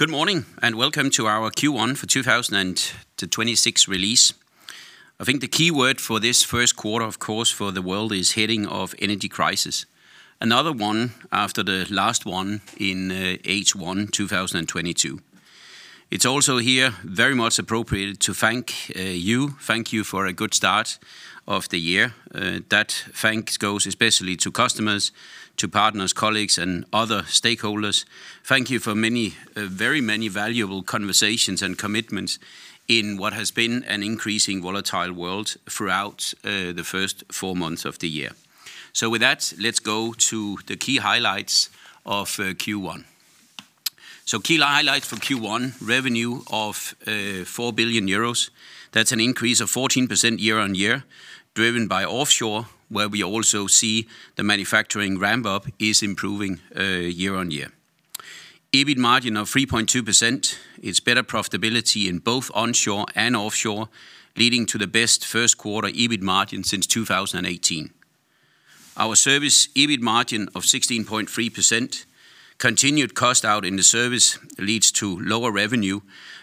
Good morning, welcome to our Q1 for 2026 release. I think the key word for this first quarter, of course, for the world is hitting of energy crisis, another one after the last one in H1 2022. It's also here very much appropriate to thank you for a good start of the year. That thanks goes especially to customers, to partners, colleagues, and other stakeholders. Thank you for many, very many valuable conversations and commitments in what has been an increasing volatile world throughout the first four months of the year. With that, let's go to the key highlights of Q1. Key highlights for Q1, revenue of 4 billion euros. That's an increase of 14% year-on-year, driven by offshore, where we also see the manufacturing ramp up is improving year-on-year. EBIT margin of 3.2%. It's better profitability in both onshore and offshore, leading to the best first quarter EBIT margin since 2018. Our service EBIT margin of 16.3%, continued cost out in the service leads to lower revenue,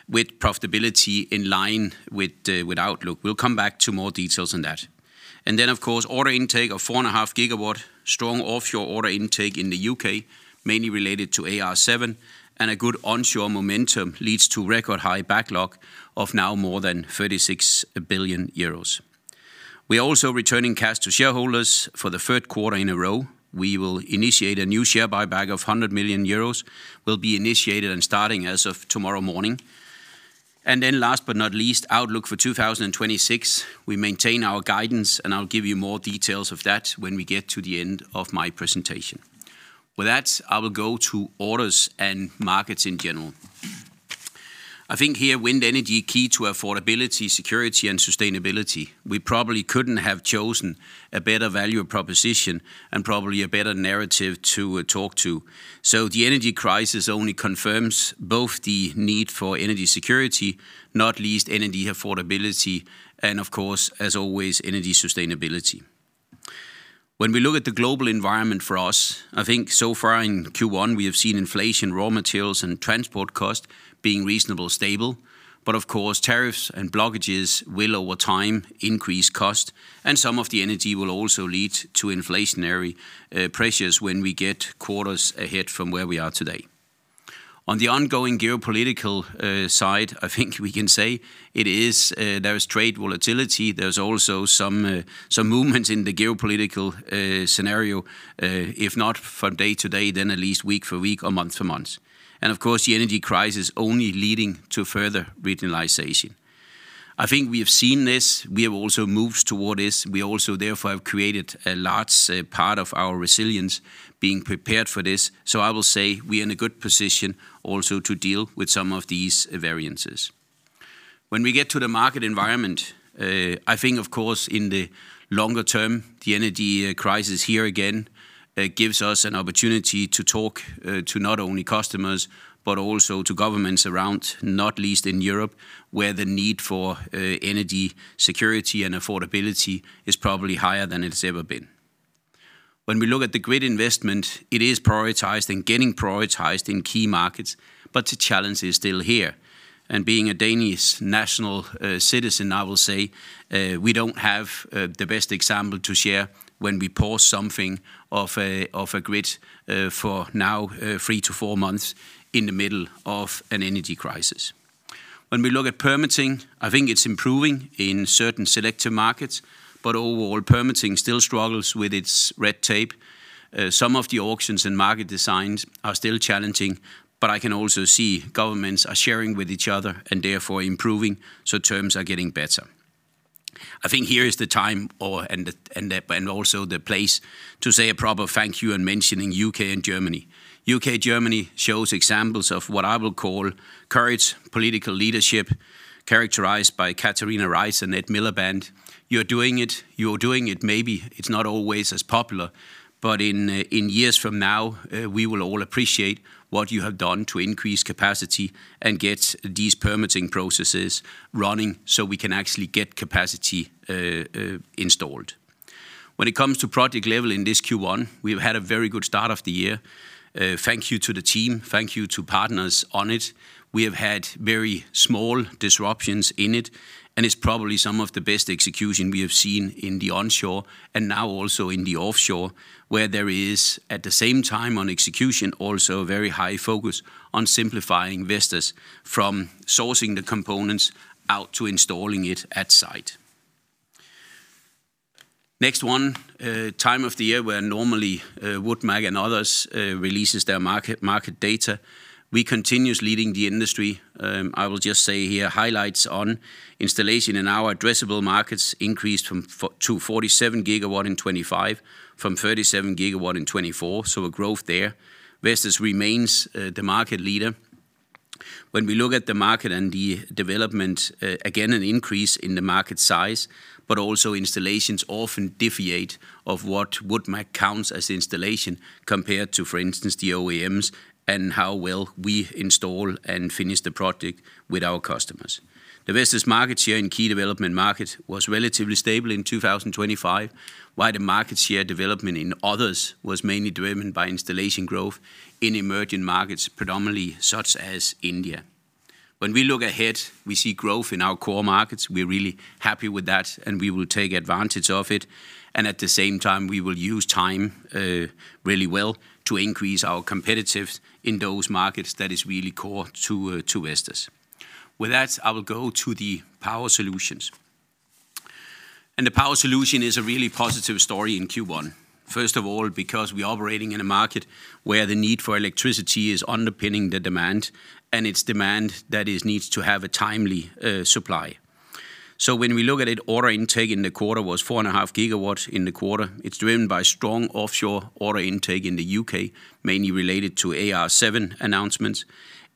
with profitability in line with outlook. We'll come back to more details on that. Of course, order intake of 4.5 GW strong offshore order intake in the U.K., mainly related to AR7, and a good onshore momentum leads to record high backlog of now more than 36 billion euros. We are also returning cash to shareholders for the third quarter in a row. We will initiate a new share buyback of 100 million euros, will be initiated and starting as of tomorrow morning. Last but not least, outlook for 2026. We maintain our guidance, and I'll give you more details of that when we get to the end of my presentation. With that, I will go to orders and markets in general. I think here, wind energy, key to affordability, security, and sustainability. We probably couldn't have chosen a better value proposition and probably a better narrative to talk to. The energy crisis only confirms both the need for energy security, not least energy affordability, and of course, as always, energy sustainability. When we look at the global environment for us, I think so far in Q1, we have seen inflation, raw materials, and transport cost being reasonable stable. Of course, tariffs and blockages will over time increase cost, and some of the energy will also lead to inflationary pressures when we get quarters ahead from where we are today. On the ongoing geopolitical side, I think we can say it is, there is trade volatility. There's also some movement in the geopolitical scenario, if not for day to day, then at least week for week or month to month. Of course, the energy crisis only leading to further regionalization. I think we have seen this. We have also moved toward this. We also therefore have created a large part of our resilience being prepared for this. I will say we are in a good position also to deal with some of these variances. When we get to the market environment, I think of course in the longer term, the energy crisis here again, gives us an opportunity to talk to not only customers but also to governments around, not least in Europe, where the need for energy security and affordability is probably higher than it's ever been. When we look at the grid investment, it is prioritized and getting prioritized in key markets, the challenge is still here. Being a Danish national citizen, I will say, we don't have the best example to share when we pause something of a grid for now three to four months in the middle of an energy crisis. When we look at permitting, I think it's improving in certain selected markets. Overall, permitting still struggles with its red tape. Some of the auctions and market designs are still challenging. I can also see governments are sharing with each other and therefore improving. Terms are getting better. I think here is the time and the place to say a proper thank you in mentioning U.K. and Germany. U.K., Germany shows examples of what I will call courage, political leadership, characterized by Katharina Reiss and Ed Miliband. You're doing it. You're doing it. Maybe it's not always as popular. In years from now, we will all appreciate what you have done to increase capacity and get these permitting processes running. We can actually get capacity installed. When it comes to project level in this Q1, we've had a very good start of the year. Thank you to the team. Thank you to partners on it. We have had very small disruptions in it, and it's probably some of the best execution we have seen in the onshore and now also in the offshore, where there is, at the same time on execution, also very high focus on simplifying Vestas from sourcing the components out to installing it at site. Next one, time of the year where normally, WoodMac and others, releases their market data. We continues leading the industry. I will just say here, highlights on installation in our addressable markets increased from to 47 gigawatt in 2025, from 37 gigawatt in 2024, so a growth there. Vestas remains, the market leader. When we look at the market and the development, again, an increase in the market size, but also installations often deviate of what Wood Mackenzie counts as installation compared to, for instance, the OEMs and how well we install and finish the project with our customers. The Vestas market share in key development market was relatively stable in 2025, while the market share development in others was mainly driven by installation growth in emerging markets, predominantly such as India. When we look ahead, we see growth in our core markets. We're really happy with that, and we will take advantage of it, and at the same time, we will use time really well to increase our competitiveness in those markets that is really core to Vestas. With that, I will go to the Power Solutions. The Power Solutions is a really positive story in Q1. First of all, because we are operating in a market where the need for electricity is underpinning the demand and its demand that it needs to have a timely supply. When we look at it, order intake in the quarter was 4.5 gigawatts in the quarter. It's driven by strong offshore order intake in the U.K., mainly related to AR7 announcements,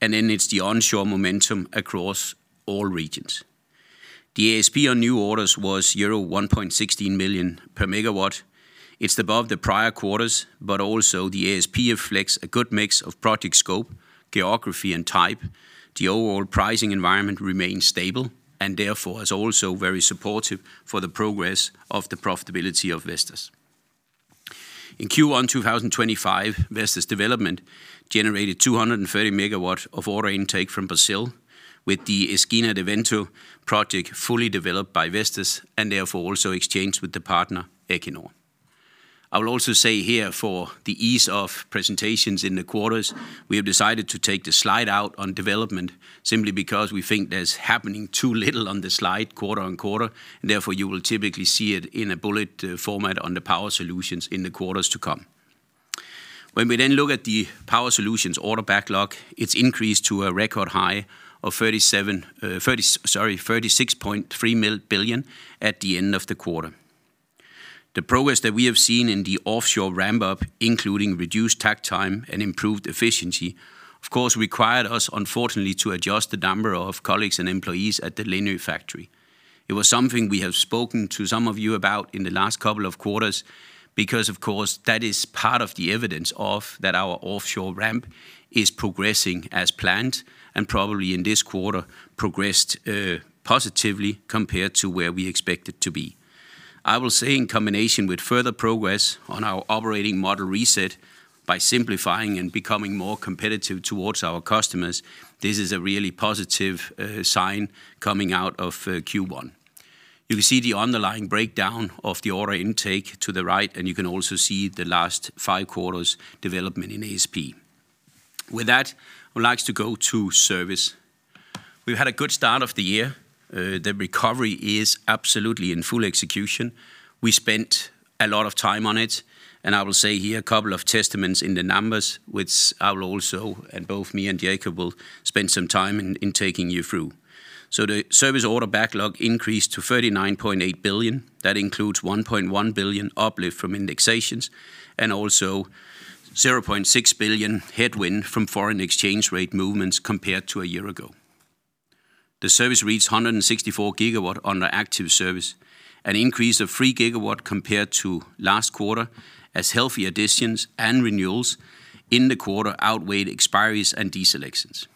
and then it's the onshore momentum across all regions. The ASP on new orders was euro 1.16 million per megawatt. It's above the prior quarters, also the ASP reflects a good mix of project scope, geography, and type. The overall pricing environment remains stable therefore is also very supportive for the progress of the profitability of Vestas. In Q1 2025, Vestas Development generated 230 MW of order intake from Brazil with the Esquina do Vento project fully developed by Vestas and therefore also exchanged with the partner Equinor. I will also say here for the ease of presentations in the quarters, we have decided to take the slide out on development simply because we think there's happening too little on the slide quarter on quarter. Therefore, you will typically see it in a bullet format on the Power Solutions in the quarters to come. When we then look at the Power Solutions order backlog, it's increased to a record high of sorry, 36.3 billion at the end of the quarter. The progress that we have seen in the offshore ramp-up, including reduced takt time and improved efficiency, of course, required us, unfortunately, to adjust the number of colleagues and employees at the Linghe factory. It was something we have spoken to some of you about in the last couple of quarters because, of course, that is part of the evidence of that our offshore ramp is progressing as planned and probably in this quarter progressed positively compared to where we expect it to be. I will say in combination with further progress on our operating model reset by simplifying and becoming more competitive towards our customers, this is a really positive sign coming out of Q1. You can see the underlying breakdown of the order intake to the right, you can also see the last five quarters' development in ASP. With that, I would like to go to service. We've had a good start of the year. The recovery is absolutely in full execution. We spent a lot of time on it, and I will say here a couple of testaments in the numbers, which I will also, and both me and Jakob will spend some time in taking you through. The service order backlog increased to 39.8 billion. That includes 1.1 billion uplift from indexations and also 0.6 billion headwind from foreign exchange rate movements compared to a year ago. The service reached 164 gigawatt under active service, an increase of 3 gigawatt compared to last quarter, as healthy additions and renewals in the quarter outweighed expiries and de-selections.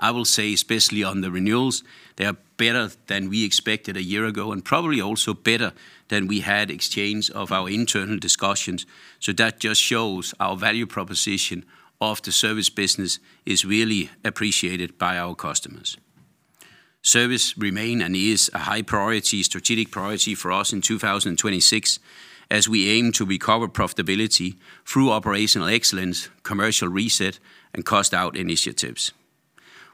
I will say especially on the renewals, they are better than we expected a year ago and probably also better than we had exchanged of our internal discussions. That just shows our value proposition of the service business is really appreciated by our customers. Service remain and is a high priority, strategic priority for us in 2026 as we aim to recover profitability through operational excellence, commercial reset, and cost out initiatives.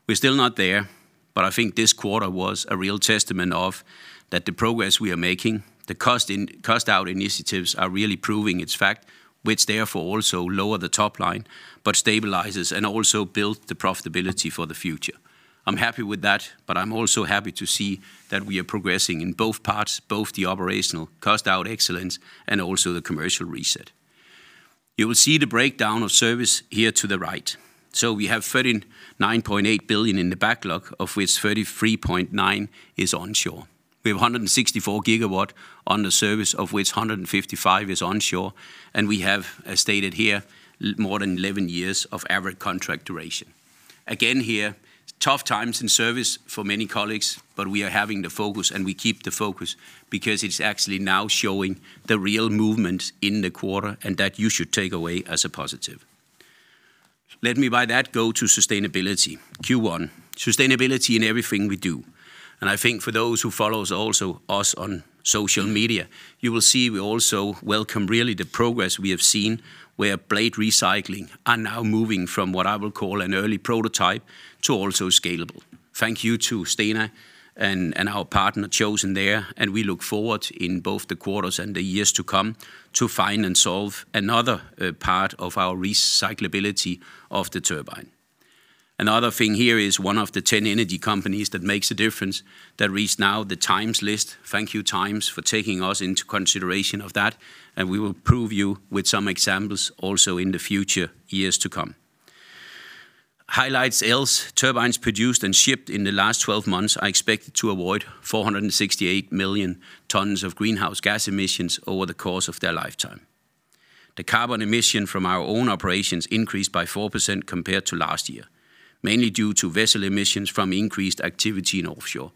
We're still not there, I think this quarter was a real testament of that the progress we are making, the cost out initiatives are really proving its effect, which therefore also lower the top line but stabilizes and also build the profitability for the future. I'm happy with that, I'm also happy to see that we are progressing in both parts, both the operational cost out excellence and also the commercial reset. You will see the breakdown of service here to the right. We have 39.8 billion in the backlog, of which 33.9 billion is onshore. We have 164 GW on the service, of which 155 GW is onshore, and we have, as stated here, more than 11 years of average contract duration. Again, here, tough times in service for many colleagues, but we are having the focus, and we keep the focus because it's actually now showing the real movement in the quarter and that you should take away as a positive. Let me by that go to sustainability. Q1, sustainability in everything we do. I think for those who follow also us on social media, you will see we also welcome really the progress we have seen, where blade recycling are now moving from what I will call an early prototype to also scalable. Thank you to Stena and our partner chosen there. We look forward in both the quarters and the years to come to find and solve another part of our recyclability of the turbine. Another thing here is one of the 10 energy companies that makes a difference that reached now the TIME list. Thank you TIME for taking us into consideration of that. We will prove you with some examples also in the future years to come. Highlights else, turbines produced and shipped in the last 12 months are expected to avoid 468 million tons of greenhouse gas emissions over the course of their lifetime. The carbon emission from our own operations increased by 4% compared to last year, mainly due to vessel emissions from increased activity in offshore.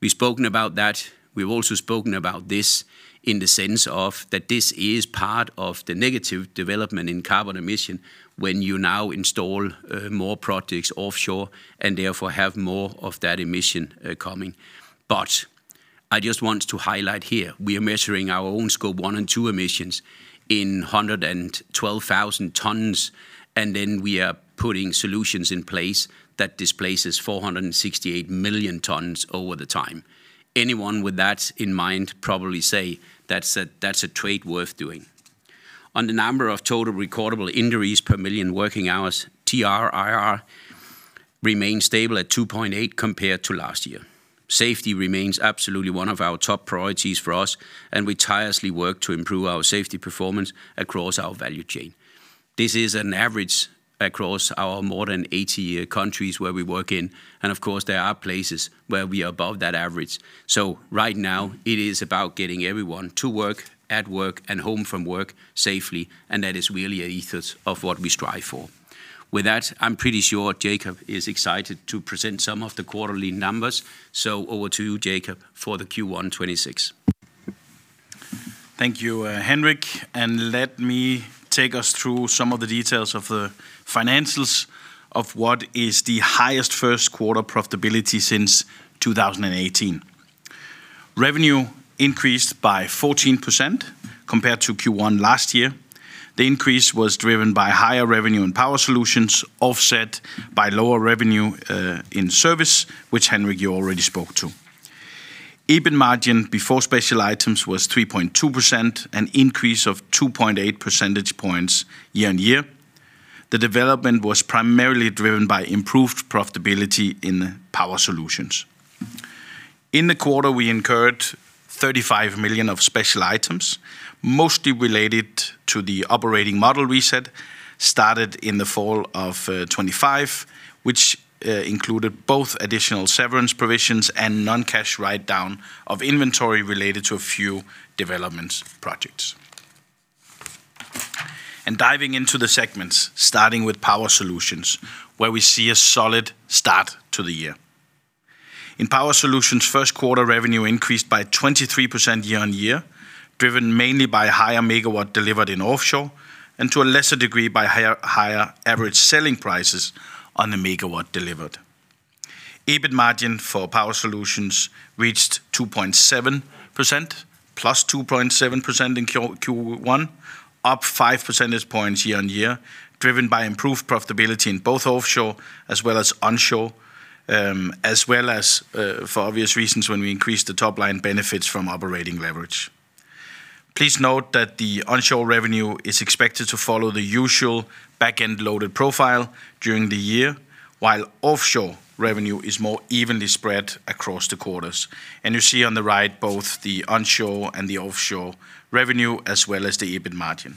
We've spoken about that. We've also spoken about this in the sense of that this is part of the negative development in carbon emission when you now install more projects offshore and therefore have more of that emission coming. I just want to highlight here we are measuring our own Scope one and two emissions in 112,000 tons, and then we are putting solutions in place that displaces 468 million tons over the time. Anyone with that in mind probably say that's a trade worth doing. On the number of total recordable injuries per million working hours, TRIR remains stable at 2.8 compared to last year. Safety remains absolutely one of our top priorities for us. We tirelessly work to improve our safety performance across our value chain. This is an average across our more than 80 countries where we work in. Of course, there are places where we are above that average. Right now it is about getting everyone to work, at work, and home from work safely. That is really an ethos of what we strive for. With that, I'm pretty sure Jakob is excited to present some of the quarterly numbers. Over to you, Jakob, for the Q1 2026. Thank you, Henrik, and let me take us through some of the details of the financials of what is the highest first quarter profitability since 2018. Revenue increased by 14% compared to Q1 last year. The increase was driven by higher revenue and Power Solutions offset by lower revenue in service, which Henrik you already spoke to. EBIT margin before special items was 3.2%, an increase of 2.8 percentage points year-on-year. The development was primarily driven by improved profitability in Power Solutions. In the quarter, we incurred 35 million of special items, mostly related to the operating model reset started in the fall of 2025, which included both additional severance provisions and non-cash write-down of inventory related to a few development projects. Diving into the segments, starting with Power Solutions, where we see a solid start to the year. In Power Solutions, first quarter revenue increased by 23% year-on-year, driven mainly by higher megawatt delivered in offshore and to a lesser degree by higher average selling prices on the megawatt delivered. EBIT margin for Power Solutions reached 2.7%, +2.7% in Q1, up 5 percentage points year-on-year, driven by improved profitability in both offshore as well as onshore, as well as for obvious reasons, when we increase the top-line benefits from operating leverage. Please note that the onshore revenue is expected to follow the usual back-end loaded profile during the year, while offshore revenue is more evenly spread across the quarters. You see on the right both the onshore and the offshore revenue, as well as the EBIT margin.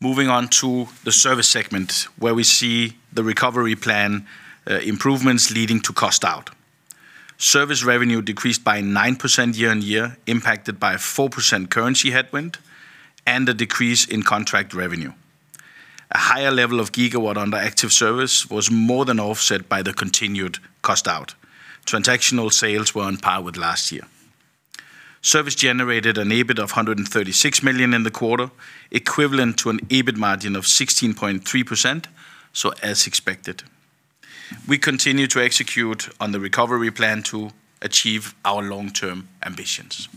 Moving on to the Service segment, where we see the recovery plan improvements leading to cost out. Service revenue decreased by 9% year-on-year, impacted by 4% currency headwind and a decrease in contract revenue. A higher level of gigawatt under active service was more than offset by the continued cost out. Transactional sales were on par with last year. Service generated an EBIT of 136 million in the quarter, equivalent to an EBIT margin of 16.3%, so as expected. We continue to execute on the recovery plan to achieve our long-term ambitions.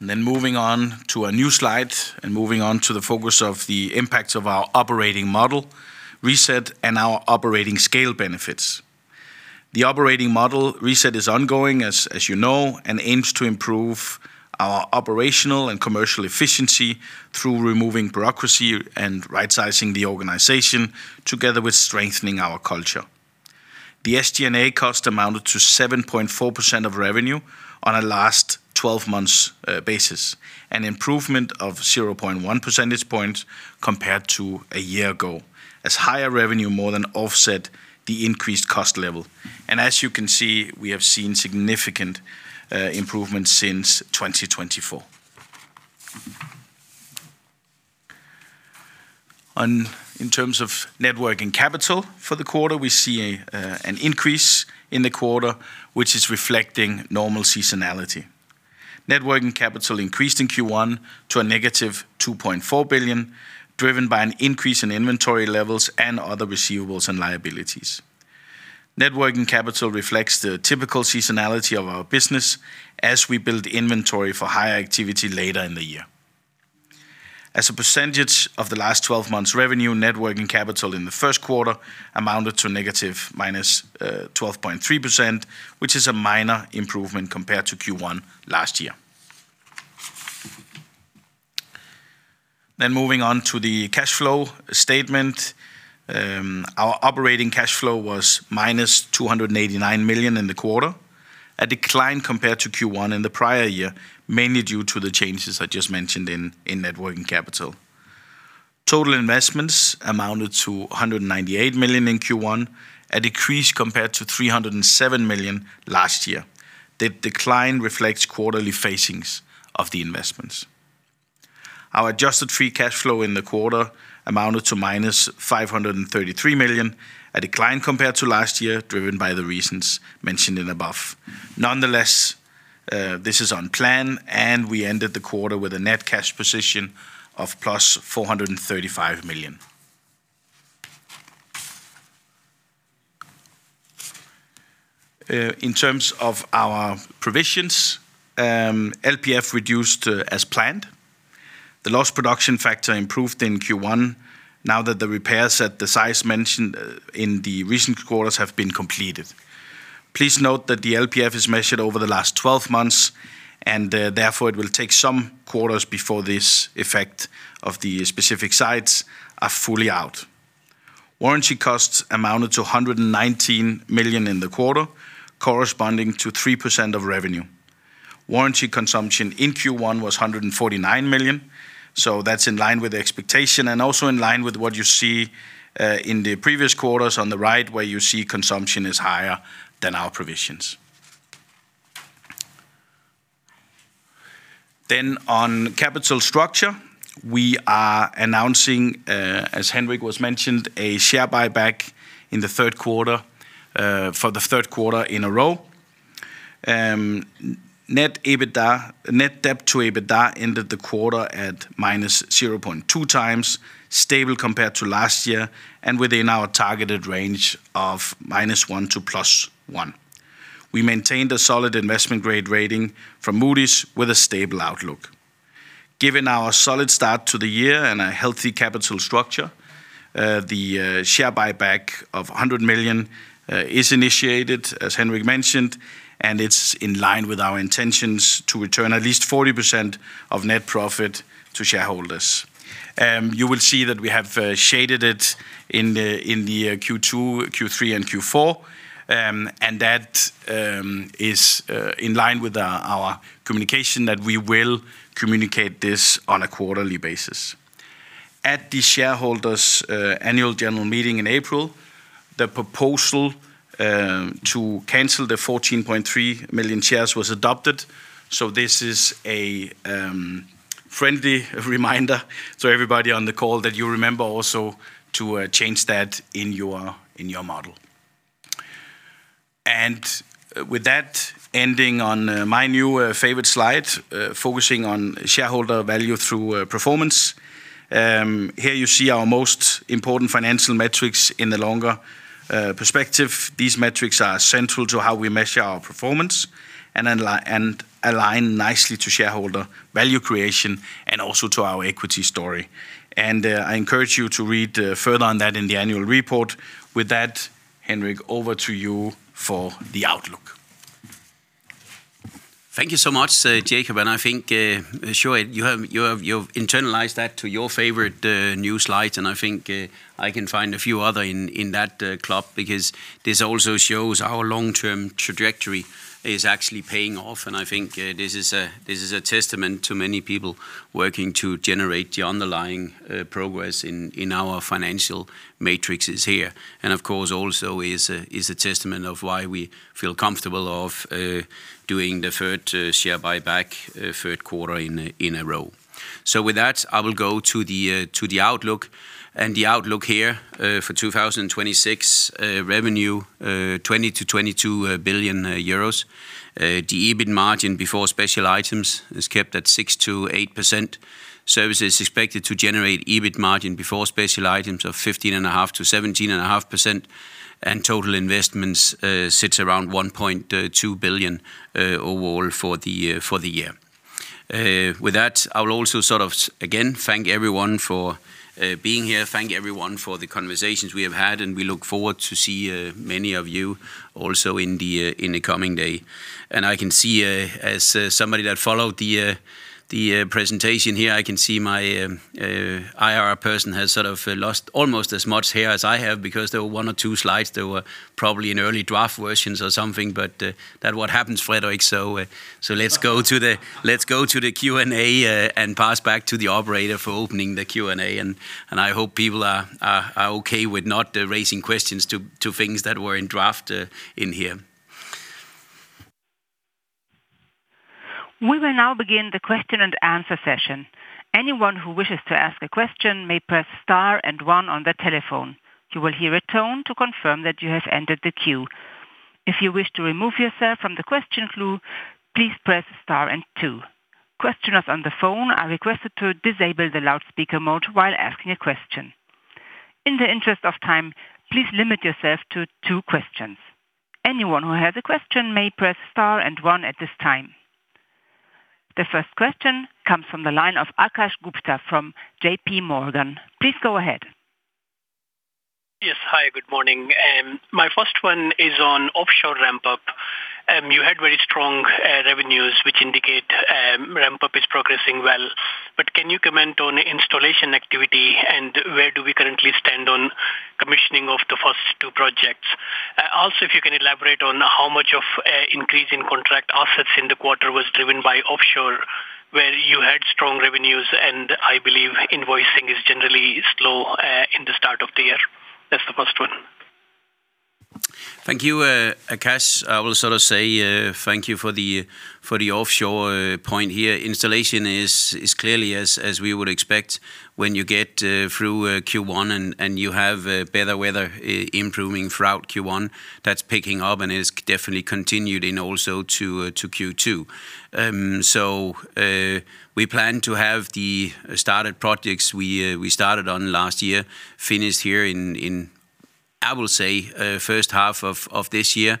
Moving on to a new slide and moving on to the focus of the impacts of our operating model reset and our operating scale benefits. The operating model reset is ongoing, as you know, and aims to improve our operational and commercial efficiency through removing bureaucracy and rightsizing the organization together with strengthening our culture. The SG&A cost amounted to 7.4% of revenue on a last 12 months basis, an improvement of 0.1 percentage points compared to a year ago, as higher revenue more than offset the increased cost level. As you can see, we have seen significant improvements since 2024. In terms of net working capital for the quarter, we see an increase in the quarter, which is reflecting normal seasonality. Net working capital increased in Q1 to a -2.4 billion, driven by an increase in inventory levels and other receivables and liabilities. Net working capital reflects the typical seasonality of our business as we build inventory for higher activity later in the year. As a percentage of the last 12 months revenue, net working capital in the first quarter amounted to -12.3%, which is a minor improvement compared to Q1 last year. Moving on to the cash flow statement. Our operating cash flow was -289 million in the quarter, a decline compared to Q1 in the prior year, mainly due to the changes I just mentioned in net working capital. Total investments amounted to 198 million in Q1, a decrease compared to 307 million last year. The decline reflects quarterly facings of the investments. Our adjusted free cash flow in the quarter amounted to minus 533 million, a decline compared to last year, driven by the reasons mentioned above. Nonetheless, this is on plan, and we ended the quarter with a net cash position of +435 million. In terms of our provisions, LPF reduced as planned. The lost production factor improved in Q1 now that the repairs at the sites mentioned in the recent quarters have been completed. Please note that the LPF is measured over the last 12 months and, therefore, it will take some quarters before this effect of the specific sites are fully out. Warranty costs amounted to 119 million in the quarter, corresponding to 3% of revenue. Warranty consumption in Q1 was 149 million. That's in line with the expectation and also in line with what you see in the previous quarters on the right, where you see consumption is higher than our provisions. On capital structure, we are announcing, as Henrik was mentioned, a share buyback in the third quarter for the third quarter in a row. Net debt to EBITDA ended the quarter at minus 0.2x, stable compared to last year, and within our targeted range of -1 to +1. We maintained a solid investment grade rating from Moody's with a stable outlook. Given our solid start to the year and a healthy capital structure, the share buyback of 100 million is initiated, as Henrik mentioned, and it's in line with our intentions to return at least 40% of net profit to shareholders. You will see that we have shaded it in the Q2, Q3, and Q4, and that is in line with our communication that we will communicate this on a quarterly basis. At the shareholders' annual general meeting in April, the proposal to cancel the 14.3 million shares was adopted, so this is a friendly reminder to everybody on the call that you remember also to change that in your model. With that, ending on my new favorite slide, focusing on shareholder value through performance. Here you see our most important financial metrics in the longer perspective. These metrics are central to how we measure our performance and align nicely to shareholder value creation and also to our equity story. I encourage you to read further on that in the annual report. With that, Henrik, over to you for the outlook. Thank you so much, Jakob. I think, sure, you've internalized that to your favorite new slide. I think I can find a few other in that club because this also shows our long-term trajectory is actually paying off. I think this is a testament to many people working to generate the underlying progress in our financial matrices here. Of course, also is a testament of why we feel comfortable of doing the third share buyback, third quarter in a row. With that, I will go to the outlook. The outlook here for 2026 revenue, 20 billion-22 billion euros. The EBIT margin before special items is kept at 6%-8%. Service is expected to generate EBIT margin before special items of 15.5%-17.5%. Total investments sits around 1.2 billion overall for the year. With that, I will also sort of again thank everyone for being here, thank everyone for the conversations we have had, and we look forward to see many of you also in the coming day. I can see, as somebody that followed the presentation here, I can see my IR person has sort of lost almost as much hair as I have because there were one or two slides that were probably in early draft versions or something. That what happens, Frederick. Let's go to the Q&A and pass back to the operator for opening the Q&A. I hope people are okay with not raising questions to things that were in draft in here. We will now begin the question and answer session. Anyone who wishes to ask a question may press star and one on their telephone. You will hear a tone to confirm that you have entered the queue. If you wish to remove yourself from the question queue, please press star and two. Questioners on the phone are requested to disable the loudspeaker mode while asking a question. In the interest of time, please limit yourself to two questions. Anyone who has a question may press star and one at this time. The first question comes from the line of Akash Gupta from JPMorgan. Please go ahead. Yes. Hi, good morning. My first one is on offshore ramp-up. You had very strong revenues which indicate ramp-up is progressing well. Can you comment on installation activity and where do we currently stand on commissioning of the first two projects? Also if you can elaborate on how much of increase in contract assets in the quarter was driven by offshore, where you had strong revenues and I believe invoicing is generally slow in the start of the year. That's the first one. Thank you, Akash. I will sort of say, thank you for the offshore point here. Installation is clearly as we would expect when you get through Q1 and you have better weather, improving throughout Q1. That's picking up and is definitely continued in also to Q2. So, we plan to have the started projects we started on last year finished here in, I will say, first half of this year,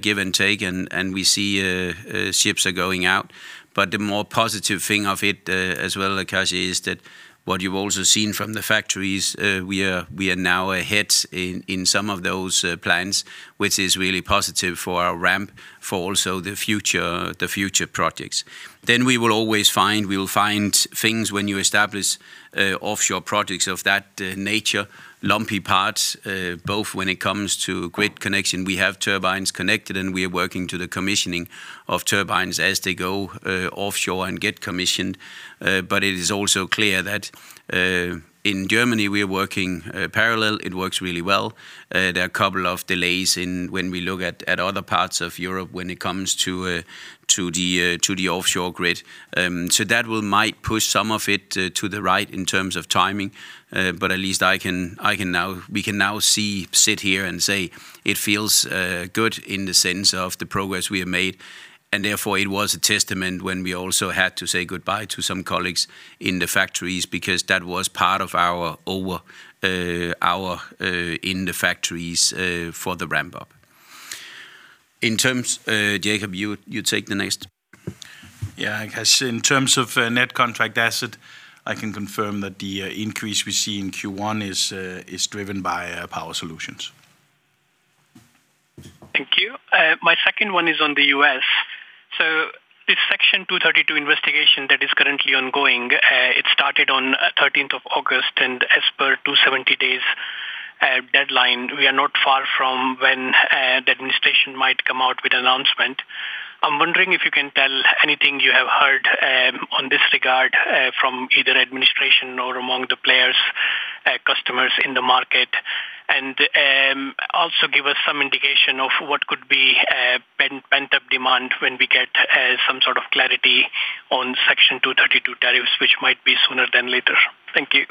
give and take, and we see ships are going out. The more positive thing of it, as well, Akash, is that what you've also seen from the factories, we are now ahead in some of those plans, which is really positive for our ramp for also the future projects. We will always find things when you establish offshore projects of that nature, lumpy parts, both when it comes to grid connection. We have turbines connected, and we are working to the commissioning of turbines as they go offshore and get commissioned. It is also clear that in Germany, we are working parallel. It works really well. There are a couple of delays in when we look at other parts of Europe when it comes to the offshore grid. That will might push some of it to the right in terms of timing. At least we can now sit here and say it feels good in the sense of the progress we have made. Therefore, it was a testament when we also had to say goodbye to some colleagues in the factories, because that was part of our in the factories for the ramp up. In terms, Jakob, you take the next. Yeah, Akash, in terms of net contract asset, I can confirm that the increase we see in Q1 is driven by Power Solutions. Thank you. My second one is on the U.S. This Section 232 investigation that is currently ongoing, it started on 13th of August, and as per 270 days deadline, we are not far from when the administration might come out with announcement. I'm wondering if you can tell anything you have heard on this regard from either administration or among the players, customers in the market. Also give us some indication of what could be pent-up demand when we get some sort of clarity on Section 232 tariffs, which might be sooner than later. Thank you.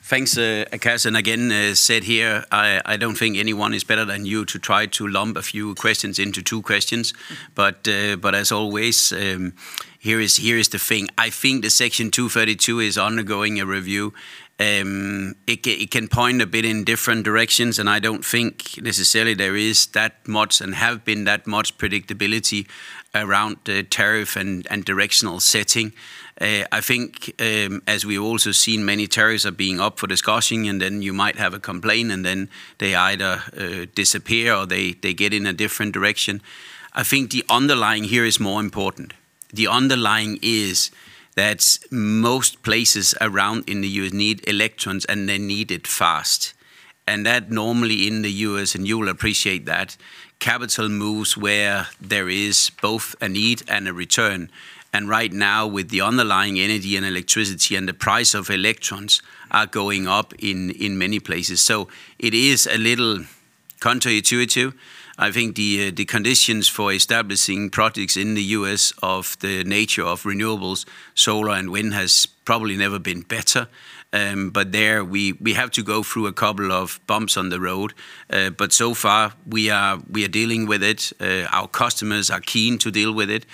Thanks, Akash. Again, as said here, I don't think anyone is better than you to try to lump a few questions into two questions. As always, here is the thing. I think the Section 232 is undergoing a review. It can point a bit in different directions, I don't think necessarily there is that much and have been that much predictability around the tariff and directional setting. I think, as we've also seen, many tariffs are being up for discussion, then you might have a complaint, then they either disappear or they get in a different direction. I think the underlying here is more important. The underlying is that most places around in the U.S. need electrons, and they need it fast. That normally in the U.S., and you'll appreciate that, capital moves where there is both a need and a return. Right now, with the underlying energy and electricity and the price of electrons are going up in many places. It is a little counterintuitive. I think the conditions for establishing projects in the U.S. of the nature of renewables, solar and wind has probably never been better. There we have to go through a couple of bumps on the road. So far we are dealing with it. Our customers are keen to deal with it.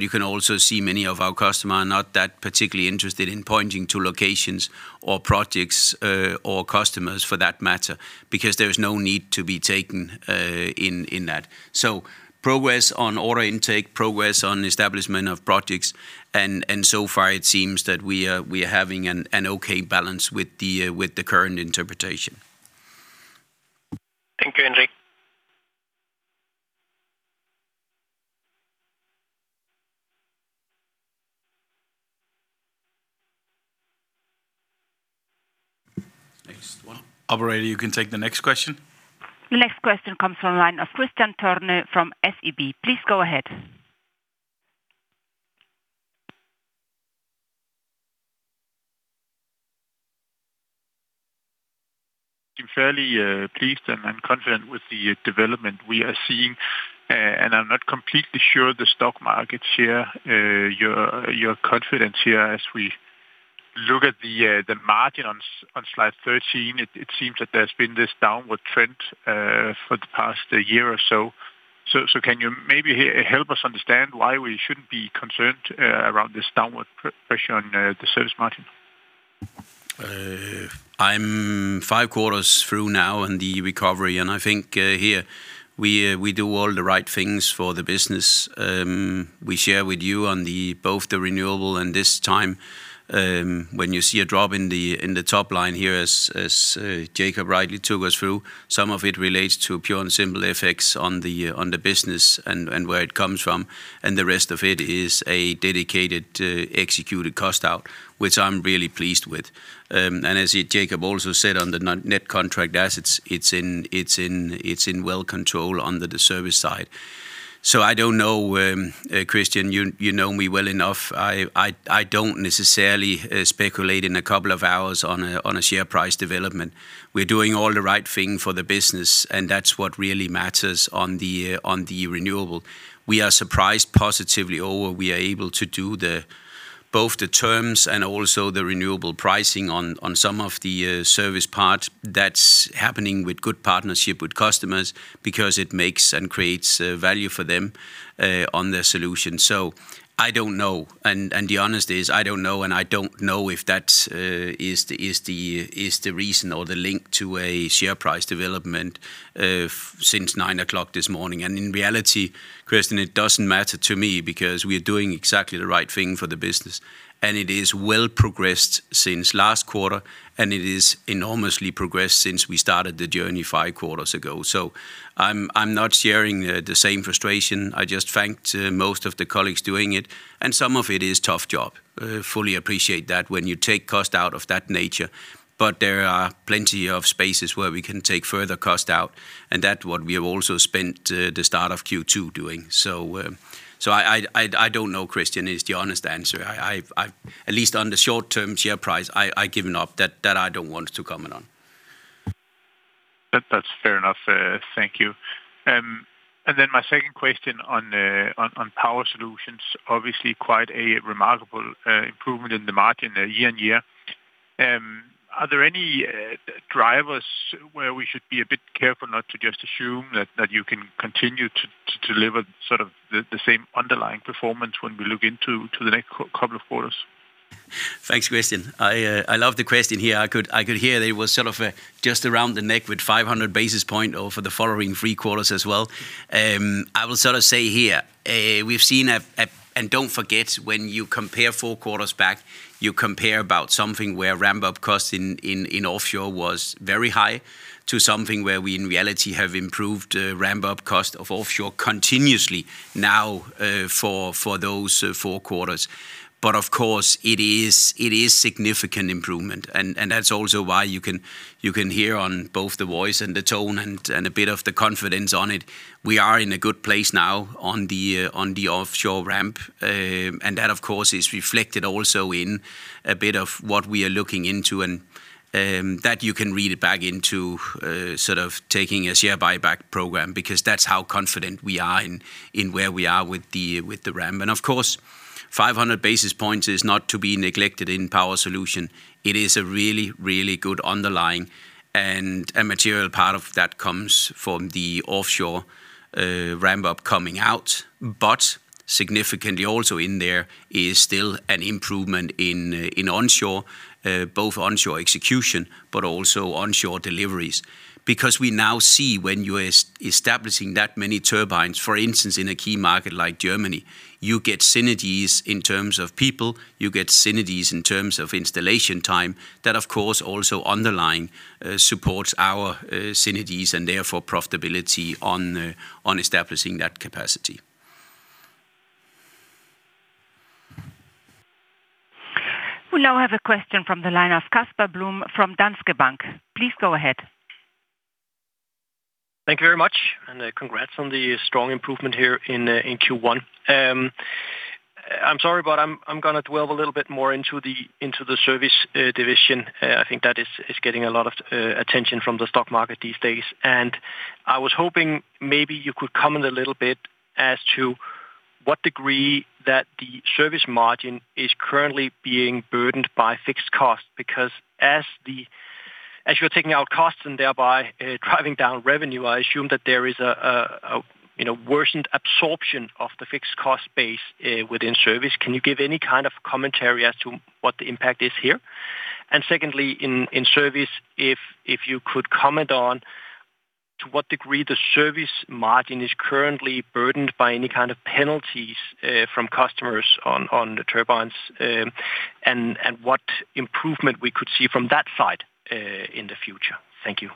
You can also see many of our customer are not that particularly interested in pointing to locations or projects, or customers for that matter, because there is no need to be taken in that. Progress on order intake, progress on establishment of projects, and so far it seems that we are having an okay balance with the current interpretation. Thank you, Henrik. Next one. Operator, you can take the next question. The next question comes from line of Kristian Tornøe Johansen from SEB. Please go ahead. I'm fairly pleased and I'm confident with the development we are seeing, and I'm not completely sure the stock markets share your confidence here. As we look at the margin on slide 13, it seems that there's been this downward trend for the past year or so. Can you maybe help us understand why we shouldn't be concerned around this downward pressure on the service margin? I'm 5 quarters through now in the recovery, and I think we do all the right things for the business. We share with you on the, both the renewable and this time, when you see a drop in the, in the top line here, as Jakob rightly took us through, some of it relates to pure and simple effects on the business and where it comes from. The rest of it is a dedicated, executed cost out, which I'm really pleased with. As Jakob also said on the net contract assets, it's in well control under the service side. I don't know, Kristian, you know me well enough. I don't necessarily speculate in a couple of hours on a share price development. We're doing all the right thing for the business, and that's what really matters on the renewable. We are surprised positively over we are able to do the, both the terms and also the renewable pricing on some of the service parts. That's happening with good partnership with customers because it makes and creates value for them on their solution. I don't know. The honest is, I don't know, and I don't know if that is the reason or the link to a share price development since 9:00 this morning. In reality, Kristian, it doesn't matter to me, because we're doing exactly the right thing for the business, and it is well progressed since last quarter, and it is enormously progressed since we started the journey 5 quarters ago. I'm not sharing the same frustration. I just thanked most of the colleagues doing it, and some of it is tough job. Fully appreciate that when you take cost out of that nature. There are plenty of spaces where we can take further cost out, and that what we have also spent the start of Q2 doing. I don't know, Kristian, is the honest answer. I've At least on the short-term share price, I given up. That I don't want to comment on. That's fair enough. Thank you. Then my second question on Power Solutions, obviously quite a remarkable improvement in the margin year on year. Are there any drivers where we should be a bit careful not to just assume that you can continue to deliver sort of the same underlying performance when we look into the next couple of quarters? Thanks, Kristian. I love the question here. I could hear that it was sort of just around the neck with 500 basis points over the following three quarters as well. I will sort of say here, we've seen a. Don't forget, when you compare four quarters back, you compare about something where ramp-up cost in offshore was very high to something where we in reality have improved ramp-up cost of offshore continuously now for those four quarters. Of course, it is significant improvement, and that's also why you can hear on both the voice and the tone and a bit of the confidence on it. We are in a good place now on the offshore ramp. That, of course, is reflected also in a bit of what we are looking into and, that you can read it back into, sort of taking a share buyback program, because that's how confident we are in where we are with the, with the ramp. Of course, 500 basis points is not to be neglected in Power Solutions. It is a really, really good underlying, and a material part of that comes from the offshore, ramp-up coming out. Significantly also in there is still an improvement in onshore, both onshore execution, but also onshore deliveries. We now see when you're establishing that many turbines, for instance, in a key market like Germany, you get synergies in terms of people, you get synergies in terms of installation time. That, of course, also underlying supports our synergies and therefore profitability on establishing that capacity. We now have a question from the line of Casper Blom from Danske Bank. Please go ahead. Thank you very much, congrats on the strong improvement here in Q1. I'm sorry, but I'm gonna delve a little bit more into the service division. I think that is getting a lot of attention from the stock market these days. I was hoping maybe you could comment a little bit as to what degree that the service margin is currently being burdened by fixed costs. As the, as you're taking out costs and thereby driving down revenue, I assume that there is a, you know, worsened absorption of the fixed cost base within service. Can you give any kind of commentary as to what the impact is here? Secondly, in service, if you could comment on to what degree the service margin is currently burdened by any kind of penalties from customers on the turbines, and what improvement we could see from that side in the future. Thank you.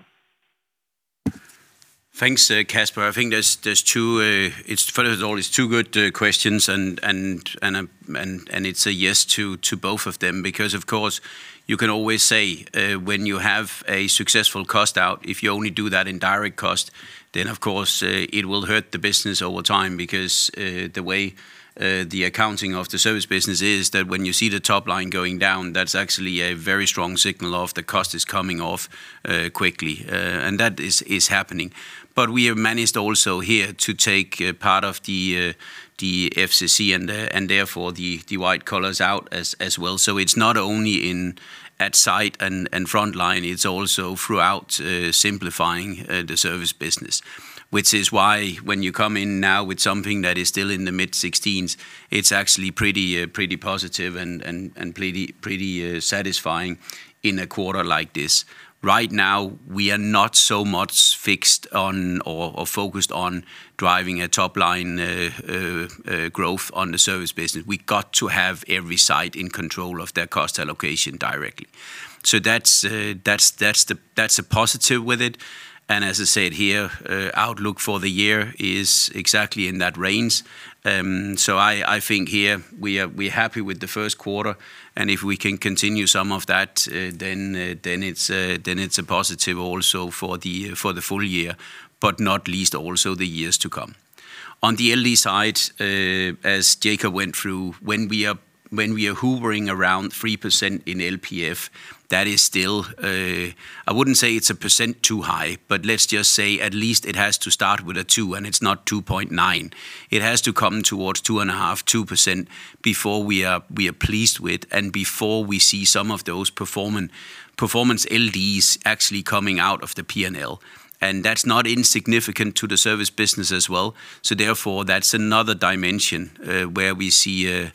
Thanks, Casper. I think there's two, First of all, it's two good questions and it's a yes to both of them. Of course, you can always say, when you have a successful cost out, if you only do that in direct cost, then of course, it will hurt the business over time. The way the accounting of the service business is that when you see the top line going down, that's actually a very strong signal of the cost is coming off quickly. And that is happening. We have managed also here to take part of the FCC and therefore the white collars out as well. It's not only in at site and frontline, it's also throughout, simplifying the service business. Which is why when you come in now with something that is still in the mid-16s, it's actually pretty positive and, and pretty satisfying in a quarter like this. Right now, we are not so much fixed on or focused on driving a top line growth on the service business. We got to have every site in control of their cost allocation directly. That's the positive with it. As I said here, outlook for the year is exactly in that range. I think here we are, we're happy with the first quarter, and if we can continue some of that, then it's a positive also for the full year, but not least also the years to come. On the LD side, as Jakob went through, when we are hovering around 3% in LPF, that is still, I wouldn't say it's 1% too high, but let's just say at least it has to start with a two, and it's not 2.9. It has to come towards 2.5, 2% before we are, we are pleased with and before we see some of those performance LDs actually coming out of the P&L. That's not insignificant to the service business as well. Therefore, that's another dimension, where we see a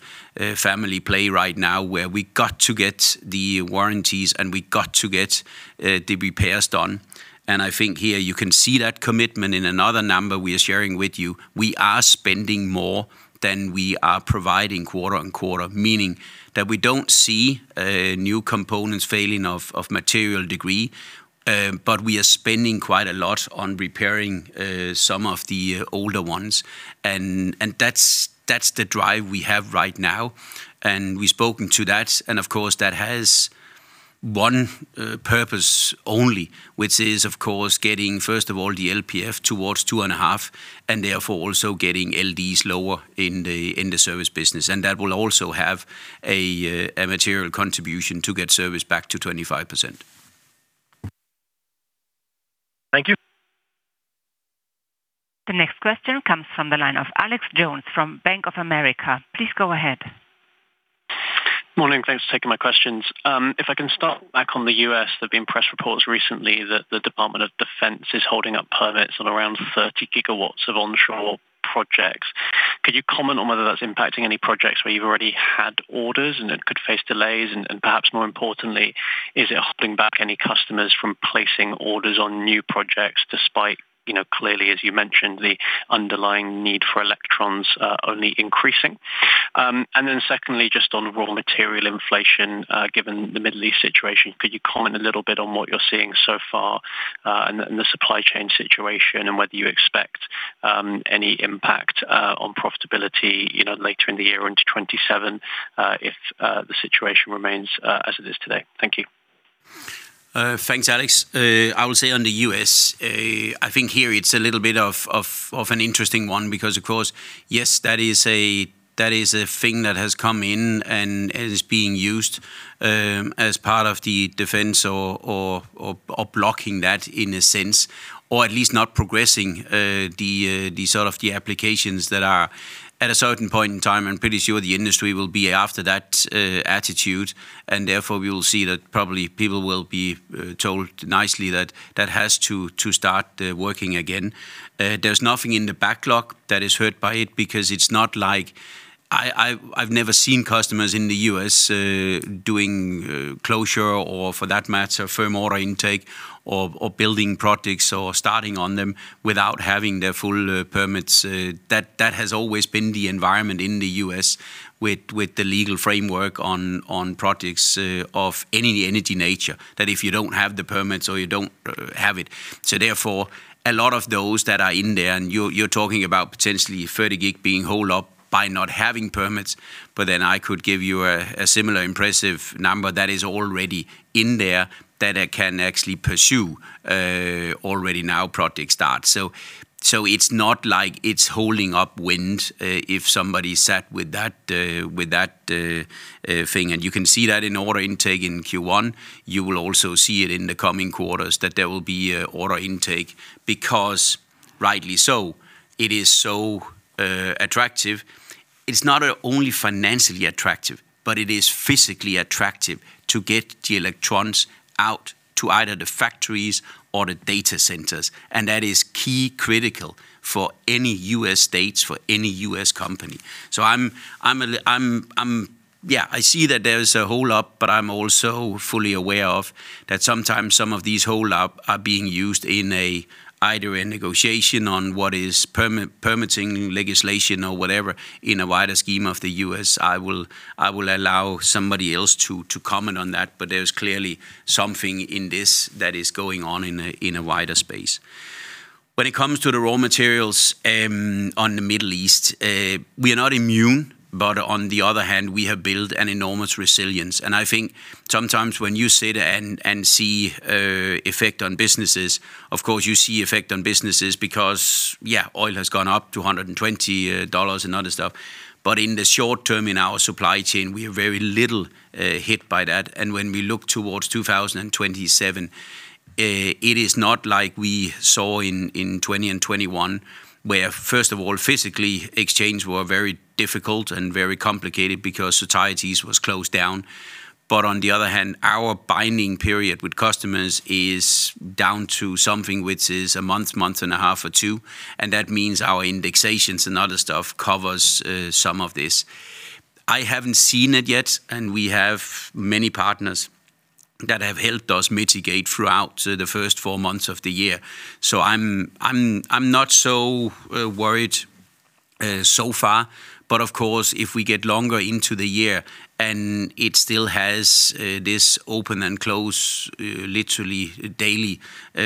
family play right now, where we got to get the warranties and we got to get the repairs done. I think here you can see that commitment in another number we are sharing with you. We are spending more than we are providing quarter-on-quarter, meaning that we don't see new components failing of material degree, but we are spending quite a lot on repairing some of the older ones. That's the drive we have right now, and we've spoken to that. Of course, that has one purpose only, which is, of course, getting, first of all, the LPF towards two and a half, and therefore also getting LDs lower in the service business. That will also have a material contribution to get service back to 25%. Thank you. The next question comes from the line of Alex Jones from Bank of America. Please go ahead. Morning. Thanks for taking my questions. If I can start back on the U.S., there've been press reports recently that the Department of Defense is holding up permits on around 30 gigawatts of onshore projects. Could you comment on whether that's impacting any projects where you've already had orders and it could face delays? Perhaps more importantly, is it holding back any customers from placing orders on new projects despite, you know, clearly, as you mentioned, the underlying need for electrons only increasing? Secondly, just on raw material inflation, given the Middle East situation, could you comment a little bit on what you're seeing so far in the supply chain situation and whether you expect any impact on profitability, you know, later in the year into 2027, if the situation remains as it is today? Thank you. Thanks, Alex. I would say on the U.S., I think here it's a little bit of an interesting one because of course, yes, that is a, that is a thing that has come in and is being used as part of the defense or blocking that in a sense, or at least not progressing the sort of the applications that are at a certain point in time. I'm pretty sure the industry will be after that attitude, and therefore we will see that probably people will be told nicely that that has to start working again. There's nothing in the backlog that is hurt by it because it's not like I've never seen customers in the U.S. doing closure or for that matter, firm order intake or building projects or starting on them without having their full permits. That has always been the environment in the U.S. with the legal framework on projects of any energy nature, that if you don't have the permits or you don't have it. A lot of those that are in there, you're talking about potentially 30 gig being holed up by not having permits, but then I could give you a similar impressive number that is already in there that I can actually pursue already now project start. It's not like it's holding up wind, if somebody sat with that, with that, thing, and you can see that in order intake in Q1. You will also see it in the coming quarters that there will be an order intake because rightly so, it is so attractive. It's not only financially attractive, but it is physically attractive to get the electrons out to either the factories or the data centers. That is key critical for any U.S. states, for any U.S. company. I'm Yeah, I see that there is a hold up, but I'm also fully aware of that sometimes some of these hold up are being used in a, either a negotiation on what is permit, permitting legislation or whatever in a wider scheme of the U.S. I will allow somebody else to comment on that. There's clearly something in this that is going on in a wider space. When it comes to the raw materials, on the Middle East, we are not immune, but on the other hand, we have built an enormous resilience. I think sometimes when you sit and see effect on businesses, of course you see effect on businesses because, yeah, oil has gone up to $120 and other stuff. In the short term in our supply chain, we are very little hit by that. When we look towards 2027, it is not like we saw in 2020 and 2021, where first of all, physically exchange were very difficult and very complicated because societies was closed down. On the other hand, our binding period with customers is down to something which is a month and a half or 2, and that means our indexations and other stuff covers some of this. I haven't seen it yet, and we have many partners that have helped us mitigate throughout the first four months of the year. I'm not so worried so far. Of course, if we get longer into the year and it still has this open and close literally daily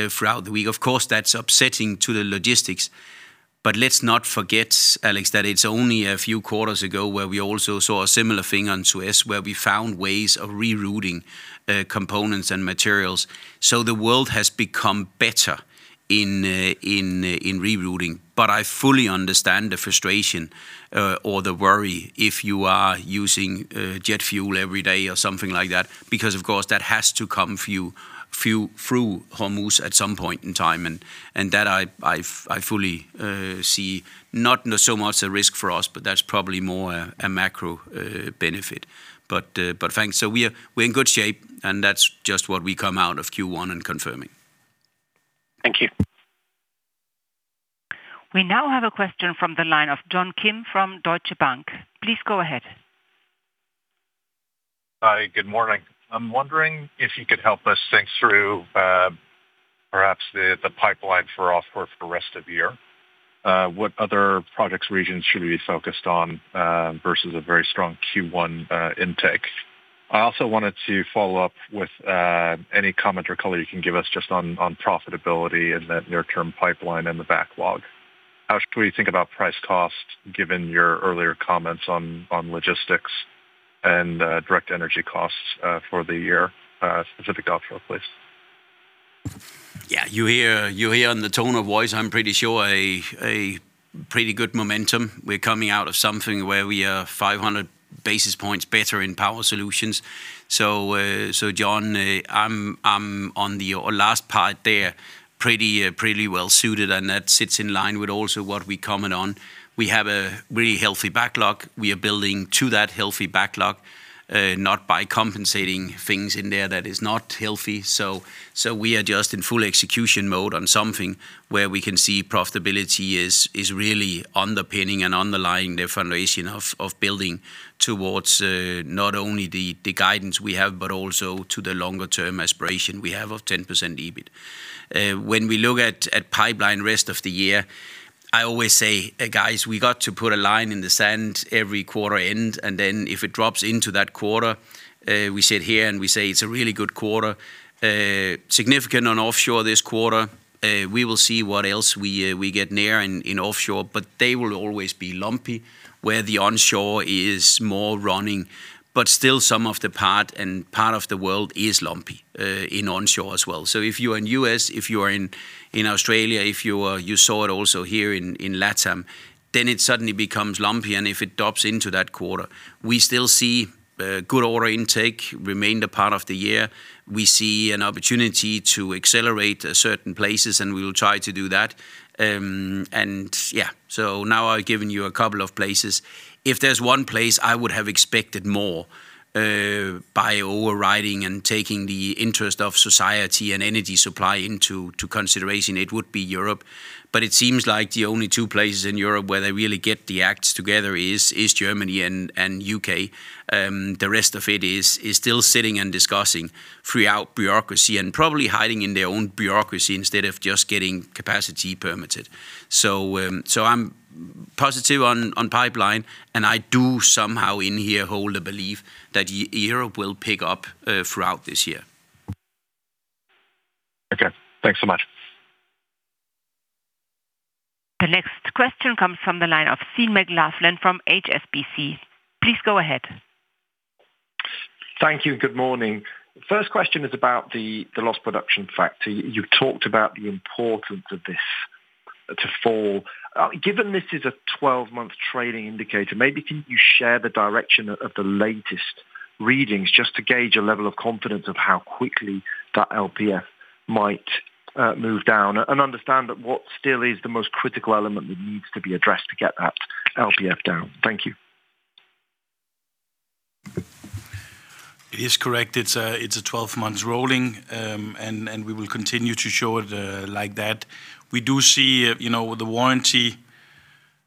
throughout the week, of course that's upsetting to the logistics. Let's not forget, Alex, that it's only a few quarters ago where we also saw a similar thing on Suez, where we found ways of rerouting components and materials. The world has become better in rerouting. I fully understand the frustration, or the worry if you are using jet fuel every day or something like that, because of course, that has to come few-through Hormuz at some point in time. That I fully see not so much a risk for us, but that's probably more a macro benefit. Thanks. We're in good shape, and that's just what we come out of Q1 and confirming. Thank you. We now have a question from the line of John Kim from Deutsche Bank. Please go ahead. Hi, good morning. I'm wondering if you could help us think through perhaps the pipeline for offshore for the rest of the year. What other products regions should we be focused on versus a very strong Q1 intake? I also wanted to follow up with any comment or color you can give us just on profitability and that near-term pipeline and the backlog. How could we think about price cost given your earlier comments on logistics and direct energy costs for the year specific to offshore, please? Yeah. You hear on the tone of voice, I'm pretty sure a pretty good momentum. We're coming out of something where we are 500 basis points better in Power Solutions. John, I'm on the last part there pretty well suited, and that sits in line with also what we comment on. We have a really healthy backlog. We are building to that healthy backlog, not by compensating things in there that is not healthy. We are just in full execution mode on something where we can see profitability is really underpinning and underlying the foundation of building towards not only the guidance we have, but also to the longer term aspiration we have of 10% EBIT. When we look at pipeline rest of the year, I always say, "Guys, we got to put a line in the sand every quarter end, and then if it drops into that quarter, we sit here and we say it's a really good quarter." Significant on offshore this quarter. We will see what else we get near in offshore. They will always be lumpy where the onshore is more running. Still some of the part and part of the world is lumpy in onshore as well. If you are in U.S., if you are in Australia, if you are—you saw it also here in Latam, then it suddenly becomes lumpy and if it drops into that quarter. We still see good order intake remain the part of the year. We see an opportunity to accelerate certain places, and we will try to do that. Yeah. Now I've given you a couple of places. If there's one place I would have expected more by overriding and taking the interest of society and energy supply into consideration, it would be Europe. It seems like the only two places in Europe where they really get the act together is Germany and U.K. The rest of it is still sitting and discussing throughout bureaucracy and probably hiding in their own bureaucracy instead of just getting capacity permitted. I'm positive on pipeline, and I do somehow in here hold a belief that Europe will pick up throughout this year. Okay. Thanks so much. The next question comes from the line of Sean McLoughlin from HSBC. Please go ahead. Thank you. Good morning. First question is about the lost production factor. You talked about the importance of this to fall. Given this is a 12-month trailing indicator, maybe can you share the direction of the latest readings just to gauge a level of confidence of how quickly that LPF might move down? Understand that what still is the most critical element that needs to be addressed to get that LPF down. Thank you. It is correct. It's a 12 months rolling, and we will continue to show it like that. We do see, you know, the warranty.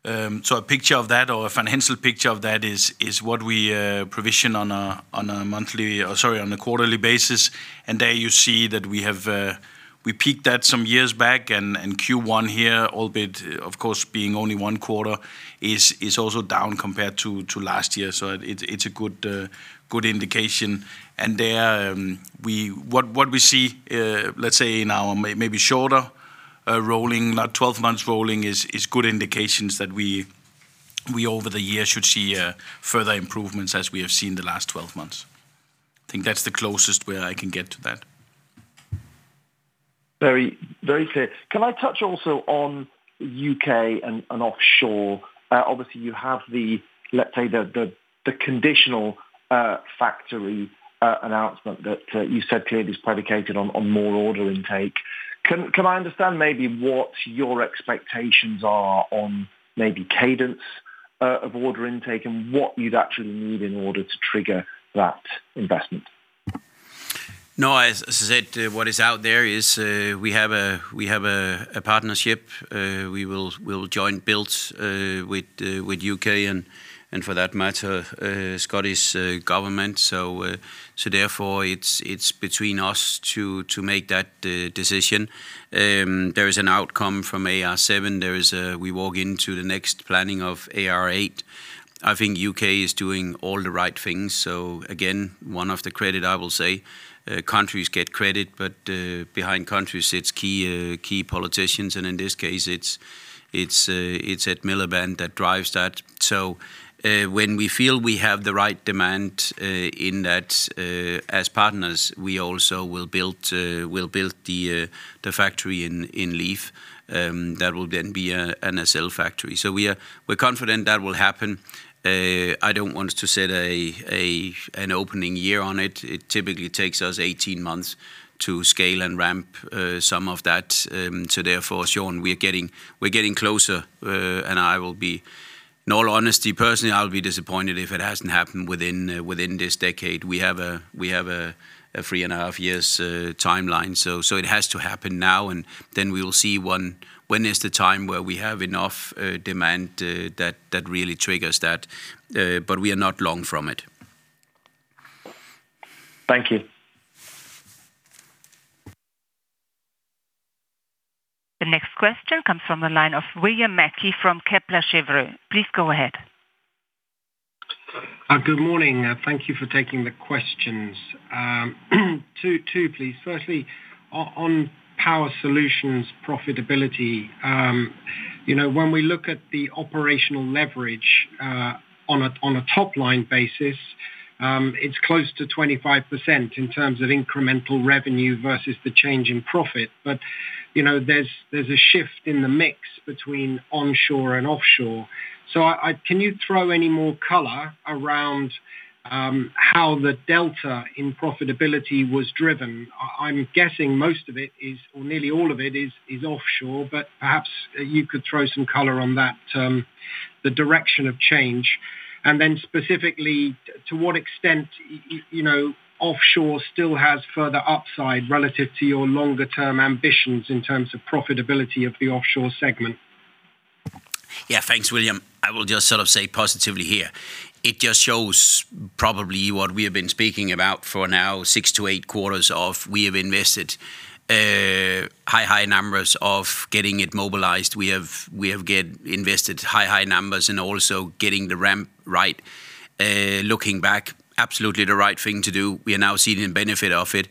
A picture of that or a financial picture of that is what we provision on a monthly, or sorry, on a quarterly basis. There you see that we have, we peaked that some years back and Q1 here, albeit of course, being only 1 quarter, is also down compared to last year. It's a good indication. There, what we see, let's say now maybe shorter, rolling, not 12 months rolling, is good indications that we over the year should see further improvements as we have seen the last 12 months. I think that's the closest way I can get to that. Very, very clear. Can I touch also on U.K. and offshore? Obviously you have the, let's say the conditional factory announcement that you said clearly is predicated on more order intake. Can I understand maybe what your expectations are on maybe cadence of order intake and what you'd actually need in order to trigger that investment? No, as I said, what is out there is, we have a partnership. We'll join builds with U.K. and for that matter, Scottish government. Therefore it's between us to make that decision. There is an outcome from AR7. We walk into the next planning of AR8. I think U.K. is doing all the right things. Again, one of the credit I will say, countries get credit, but behind countries it's key politicians, and in this case it's Ed Miliband that drives that. When we feel we have the right demand, in that, as partners, we also will build the factory in Linghe, that will then be a nacelle factory. We're confident that will happen. I don't want to set an opening year on it. It typically takes us 18 months to scale and ramp, some of that. Therefore, Sean, we're getting closer. I will be In all honesty, personally, I'll be disappointed if it hasn't happened within this decade. We have a three and a half years timeline. It has to happen now, and then we will see when is the time where we have enough demand, that really triggers that. We are not long from it. Thank you. The next question comes from the line of William Mackie from Kepler Cheuvreux. Please go ahead. Good morning. Thank you for taking the questions. Two please. On Power Solutions profitability, you know, when we look at the operational leverage on a top line basis, it's close to 25% in terms of incremental revenue versus the change in profit. You know, there's a shift in the mix between onshore and offshore. Can you throw any more color around how the delta in profitability was driven? I'm guessing most of it is, or nearly all of it is offshore, perhaps you could throw some color on that, the direction of change. Specifically to what extent, you know, offshore still has further upside relative to your longer term ambitions in terms of profitability of the offshore segment? Yeah, thanks, William. I will just sort of say positively here, it just shows probably what we have been speaking about for now six to eight quarters of we have invested high numbers of getting it mobilized. We have invested high numbers and also getting the ramp right. Looking back, absolutely the right thing to do. We are now seeing the benefit of it.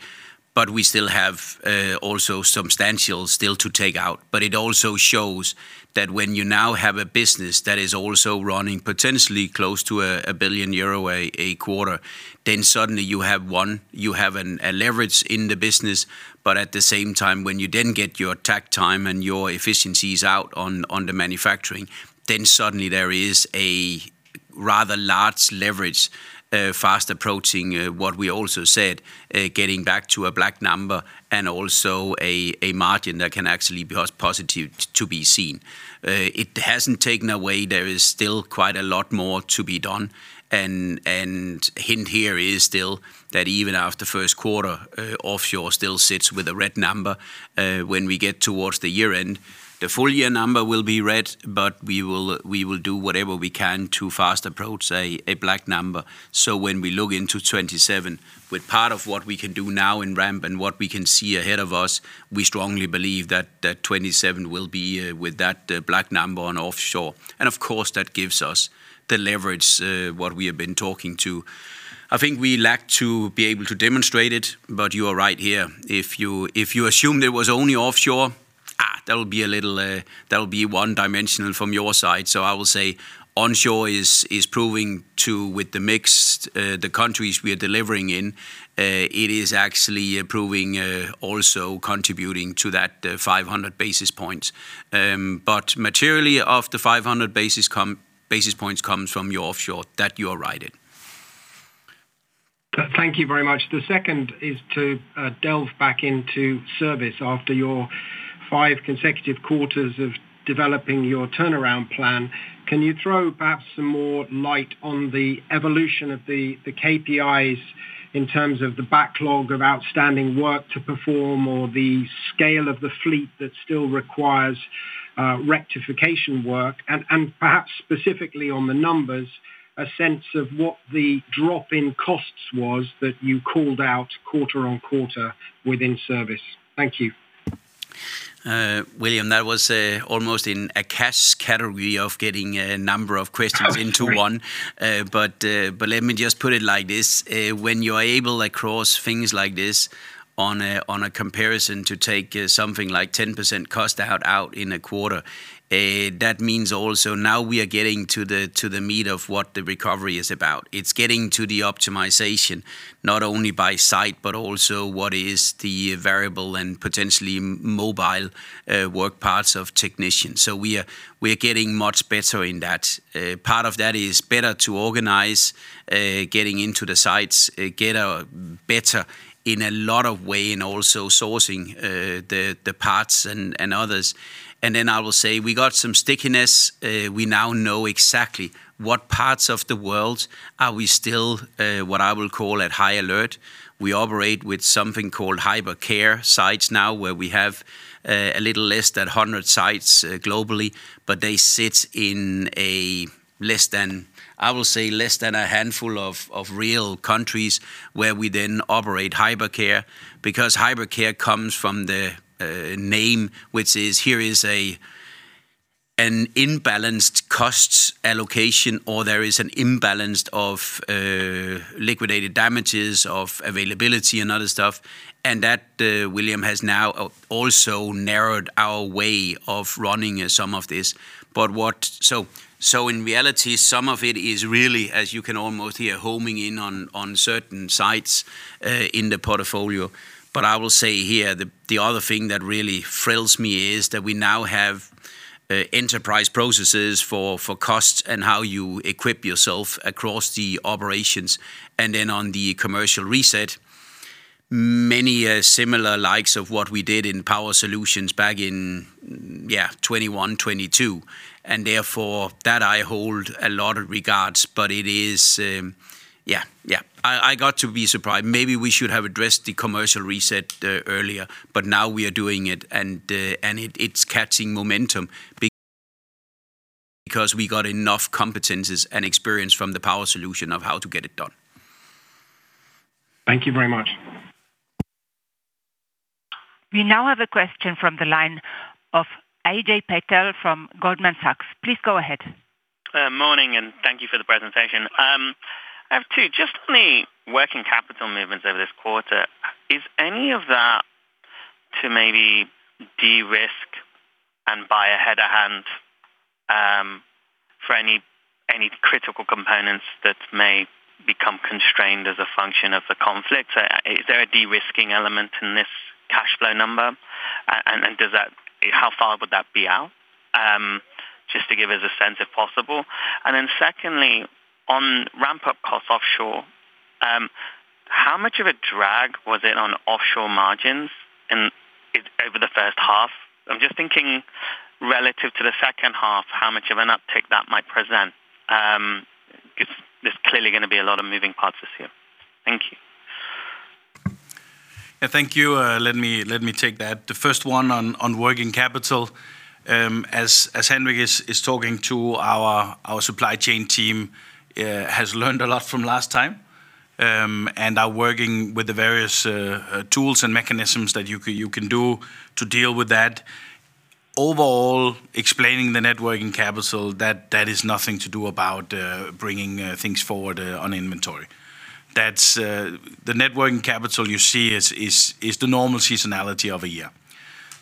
We still have also substantial still to take out. It also shows that when you now have a business that is also running potentially close to a billion EUR a quarter, then suddenly you have a leverage in the business. At the same time, when you then get your takt time and your efficiencies out on the manufacturing, then suddenly there is a rather large leverage fast approaching what we also said getting back to a black number and also a margin that can actually be positive to be seen. It hasn't taken away. There is still quite a lot more to be done. Hint here is still that even after first quarter offshore still sits with a red number when we get towards the year end. The full year number will be red, but we will do whatever we can to fast approach a black number. When we look into 2027, with part of what we can do now in ramp and what we can see ahead of us, we strongly believe that that 2027 will be with that black number on offshore. Of course, that gives us the leverage what we have been talking to. I think we lack to be able to demonstrate it, but you are right here. If you assume there was only offshore, that would be a little that would be one-dimensional from your side. I will say onshore is proving to, with the mix, the countries we are delivering in, it is actually proving also contributing to that 500 basis points. Materially of the 500 basis points comes from your offshore, that you are right in. Thank you very much. The second is to delve back into service. After your five consecutive quarters of developing your turnaround plan, can you throw perhaps some more light on the evolution of the KPIs in terms of the backlog of outstanding work to perform or the scale of the fleet that still requires rectification work? Perhaps specifically on the numbers, a sense of what the drop in costs was that you called out quarter-on-quarter within service. Thank you. William, that was, almost in a Akash category of getting a number of questions into one. But let me just put it like this. When you are able across things like this on a comparison to take something like 10% cost out in a quarter, that means also now we are getting to the meat of what the recovery is about. It's getting to the optimization, not only by site, but also what is the variable and potentially mobile work parts of technicians. We are getting much better in that. Part of that is better to organize, getting into the sites, get better in a lot of way in also sourcing the parts and others. I will say we got some stickiness. We now know exactly what parts of the world are we still, what I will call at high alert. We operate with something called hypercare sites now, where we have a little less than 100 sites globally, but they sit in a less than, I will say, less than a handful of real countries where we then operate hypercare. Because hypercare comes from the name, which is here is an imbalanced costs allocation or there is an imbalance of liquidated damages of availability and other stuff, and that William has now also narrowed our way of running some of this. In reality, some of it is really, as you can almost hear, homing in on certain sites in the portfolio. I will say here, the other thing that really thrills me is that we now have enterprise processes for costs and how you equip yourself across the operations. Then on the commercial reset, many similar likes of what we did in Power Solutions back in 2021, 2022, and therefore that I hold a lot of regards. It is. I got to be surprised. Maybe we should have addressed the commercial reset earlier, but now we are doing it and it's catching momentum because we got enough competencies and experience from the Power Solutions of how to get it done. Thank you very much. We now have a question from the line of Ajay Patel from Goldman Sachs. Please go ahead. Morning, and thank you for the presentation. I have two. Just on the working capital movements over this quarter, is any of that to maybe de-risk and buy ahead of hand for any critical components that may become constrained as a function of the conflict? Is there a de-risking element in this cash flow number? Does that How far would that be out, just to give us a sense, if possible? Secondly, on ramp-up costs offshore, how much of a drag was it on offshore margins over the first half? I'm just thinking relative to the second half, how much of an uptick that might present. It's, there's clearly gonna be a lot of moving parts this year. Thank you. Yeah. Thank you. Let me take that. The first one on working capital, as Henrik is talking to our supply chain team, has learned a lot from last time, and are working with the various tools and mechanisms that you can do to deal with that. Overall, explaining the net working capital, that is nothing to do about bringing things forward on inventory. That's the net working capital you see is the normal seasonality of a year.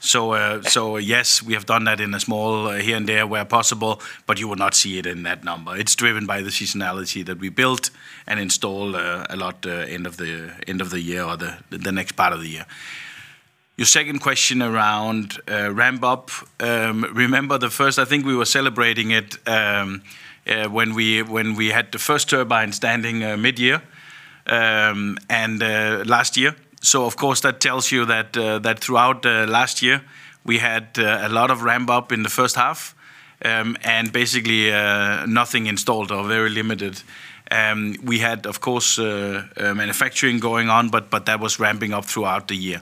Yes, we have done that in a small here and there where possible, you would not see it in that number. It's driven by the seasonality that we built and install a lot end of the year or the next part of the year. Your second question around ramp-up, remember the first, I think we were celebrating it when we had the first turbine standing midyear and last year. Of course that tells you that throughout last year, we had a lot of ramp-up in the first half and basically nothing installed or very limited. We had, of course, manufacturing going on, but that was ramping up throughout the year.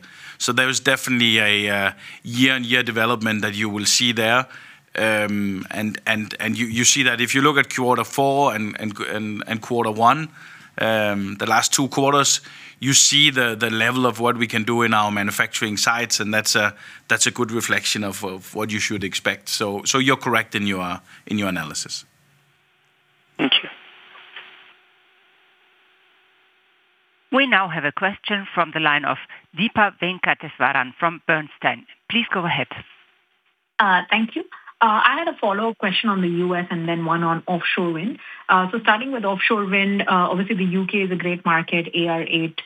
There was definitely a year-on-year development that you will see there. You see that if you look at quarter four and quarter one, the last two quarters, you see the level of what we can do in our manufacturing sites, and that's a good reflection of what you should expect. You're correct in your analysis. Thank you. We now have a question from the line of Deepa Venkateswaran from Bernstein. Please go ahead. Thank you. I had a follow-up question on the U.S. and then one on offshore wind. Starting with offshore wind, obviously the U.K. is a great market. AR8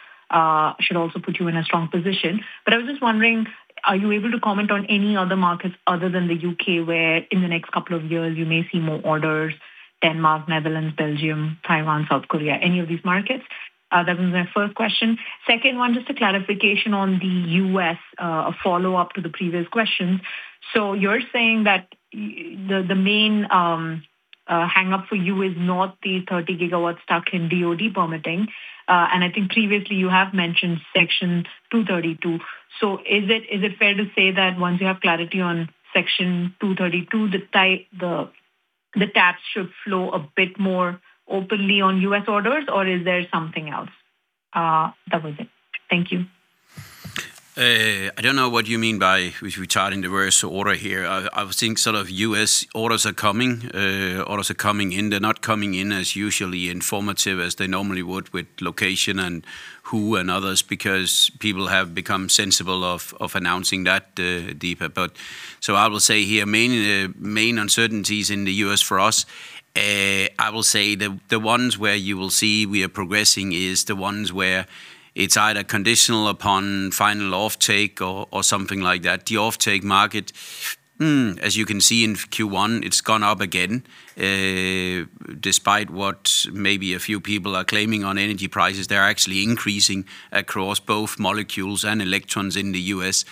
should also put you in a strong position. I was just wondering, are you able to comment on any other markets other than the U.K. where in the next couple of years you may see more orders, Denmark, Netherlands, Belgium, Taiwan, South Korea, any of these markets? That was my first question. Second one, just a clarification on the U.S., a follow-up to the previous question. You're saying that the main hang up for you is not the 30 gigawatts stuck in DoD permitting. I think previously you have mentioned Section 232. Is it fair to say that once you have clarity on Section 232, the taps should flow a bit more openly on U.S. orders, or is there something else? That was it. Thank you. I don't know what you mean by re-timing the worst order here. I was think sort of U.S. orders are coming. Orders are coming in. They're not coming in as usually informative as they normally would with location and who and others, because people have become sensible of announcing that, Deepa. I will say here, main uncertainties in the U.S. for us, I will say the ones where you will see we are progressing is the ones where it's either conditional upon final offtake or something like that. The offtake market, as you can see in Q1, it's gone up again. Despite what maybe a few people are claiming on energy prices, they're actually increasing across both molecules and electrons in the U.S.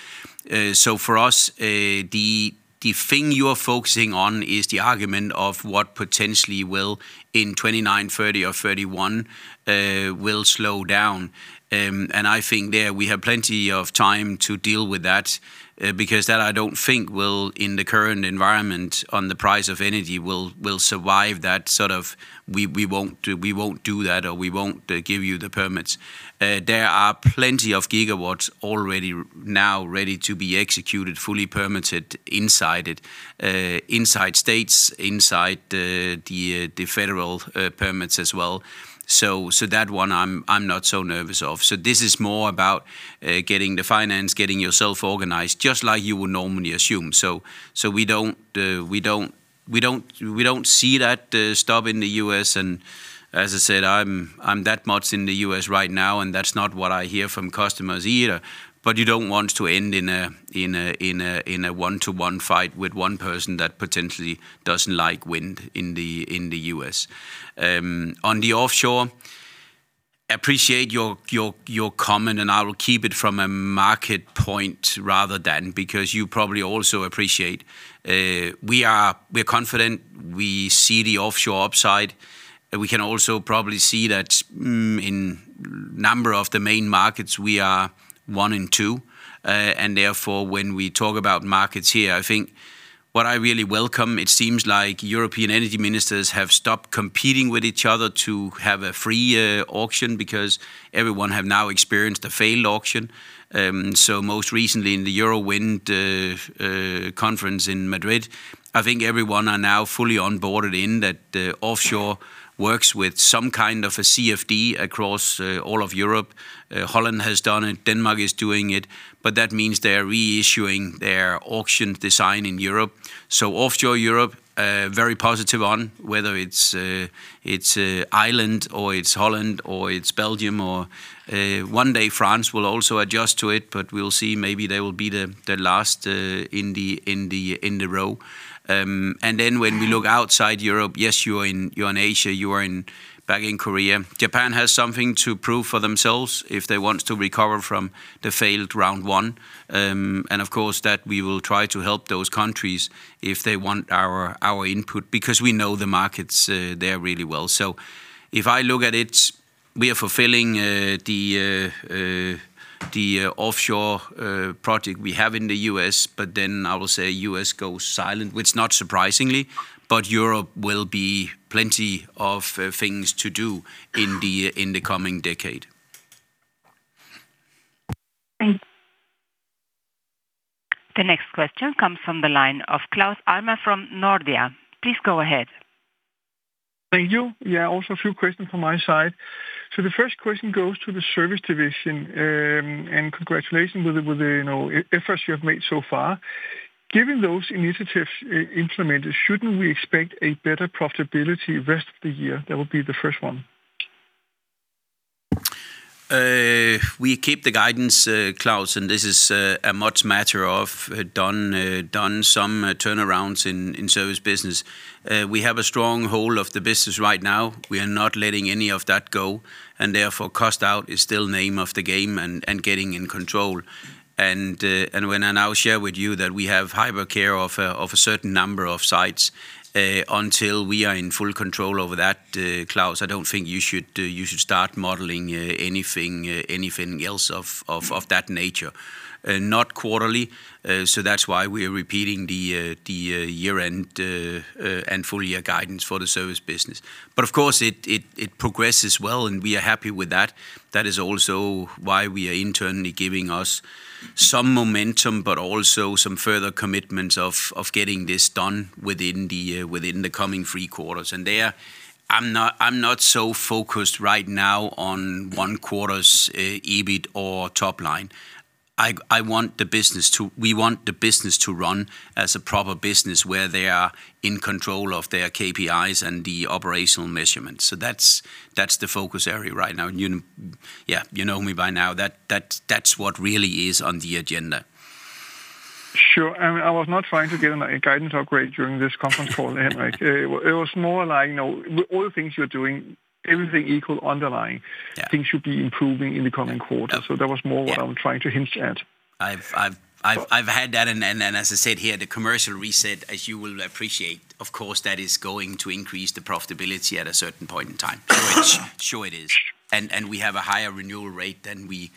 For us, the thing you are focusing on is the argument of what potentially will in 2029, 2030, or 2031 will slow down. I think there we have plenty of time to deal with that, because that I don't think will, in the current environment on the price of energy, will survive that sort of we won't do that, or we won't give you the permits. There are plenty of gigawatts already now ready to be executed, fully permitted, sited, inside states, inside the federal permits as well. That one I'm not so nervous of. This is more about getting the finance, getting yourself organized, just like you would normally assume. We don't see that stop in the U.S., and as I said, I'm that much in the U.S. right now, and that's not what I hear from customers either. You don't want to end in a 1-to-1 fight with one person that potentially doesn't like wind in the U.S. On the offshore, appreciate your comment, and I will keep it from a market point rather than, because you probably also appreciate, we're confident. We see the offshore upside. We can also probably see that in number of the main markets we are one and two. Therefore, when we talk about markets here, I think what I really welcome, it seems like European energy ministers have stopped competing with each other to have a free auction because everyone have now experienced a failed auction. Most recently in the WindEurope conference in Madrid, I think everyone are now fully onboarded in that offshore works with some kind of a CFD across all of Europe. Holland has done it, Denmark is doing it, that means they're reissuing their auction design in Europe. Offshore Europe, very positive on whether it's Ireland or it's Holland or it's Belgium or one day France will also adjust to it, we'll see. Maybe they will be the last in the, in the, in the row. Then when we look outside Europe, yes, you are in Asia, back in Korea. Japan has something to prove for themselves if they want to recover from the failed round one. Of course that we will try to help those countries if they want our input, because we know the markets there really well. If I look at it, we are fulfilling the offshore project we have in the U.S., then I will say U.S. goes silent, which not surprisingly, Europe will be plenty of things to do in the coming decade. Thank you. The next question comes from the line of Claus Almer from Nordea. Please go ahead. Thank you. Yeah, also a few questions from my side. The first question goes to the service division, and congratulations with the, with the, you know, efforts you have made so far. Given those initiatives implemented, shouldn't we expect a better profitability rest of the year? That would be the first one. We keep the guidance, Claus, and this is a much matter of done some turnarounds in service business. We have a strong hold of the business right now. We are not letting any of that go, and therefore cost out is still name of the game and getting in control. When I now share with you that we have hypercare of a certain number of sites, until we are in full control over that, Claus, I don't think you should start modeling anything else of that nature. Not quarterly, so that's why we are repeating the year-end and full-year guidance for the service business. Of course it progresses well, and we are happy with that. That is also why we are internally giving us some momentum, but also some further commitments of getting this done within the, within the coming three quarters. There, I'm not so focused right now on one quarter's EBIT or top line. We want the business to run as a proper business where they are in control of their KPIs and the operational measurements. That's, that's the focus area right now. You... Yeah, you know me by now. That's what really is on the agenda. Sure. I mean, I was not trying to get a guidance upgrade during this conference call, Henrik. It was more like, you know, with all the things you're doing, everything equal things should be improving in the coming quarter. That was more what I'm trying to hint at. I've had that. As I said here, the commercial reset, as you will appreciate, of course, that is going to increase the profitability at a certain point in time. Sure it is. We have a higher renewal rate than we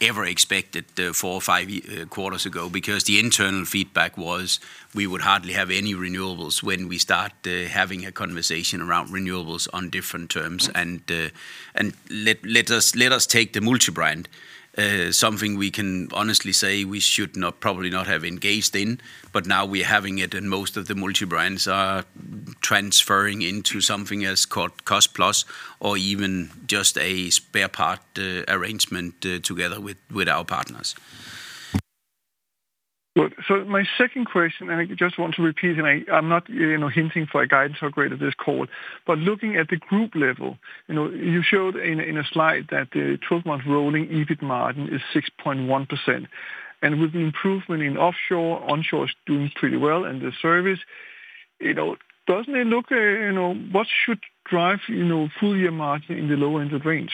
ever expected, four or five quarters ago, because the internal feedback was we would hardly have any renewables when we start having a conversation around renewables on different terms. Let us take the multi-brand, something we can honestly say we should not, probably not have engaged in, but now we're having it and most of the multi-brands are transferring into something else called cost plus or even just a spare part arrangement together with our partners. Good. My second question, and I just want to repeat, and I'm not, you know, hinting for a guidance upgrade of this call, but looking at the group level, you know, you showed in a slide that the 12-month rolling EBIT margin is 6.1%. With the improvement in offshore, onshore is doing pretty well, and the service, you know, doesn't it look, you know? What should drive, you know, full-year margin in the low end of range?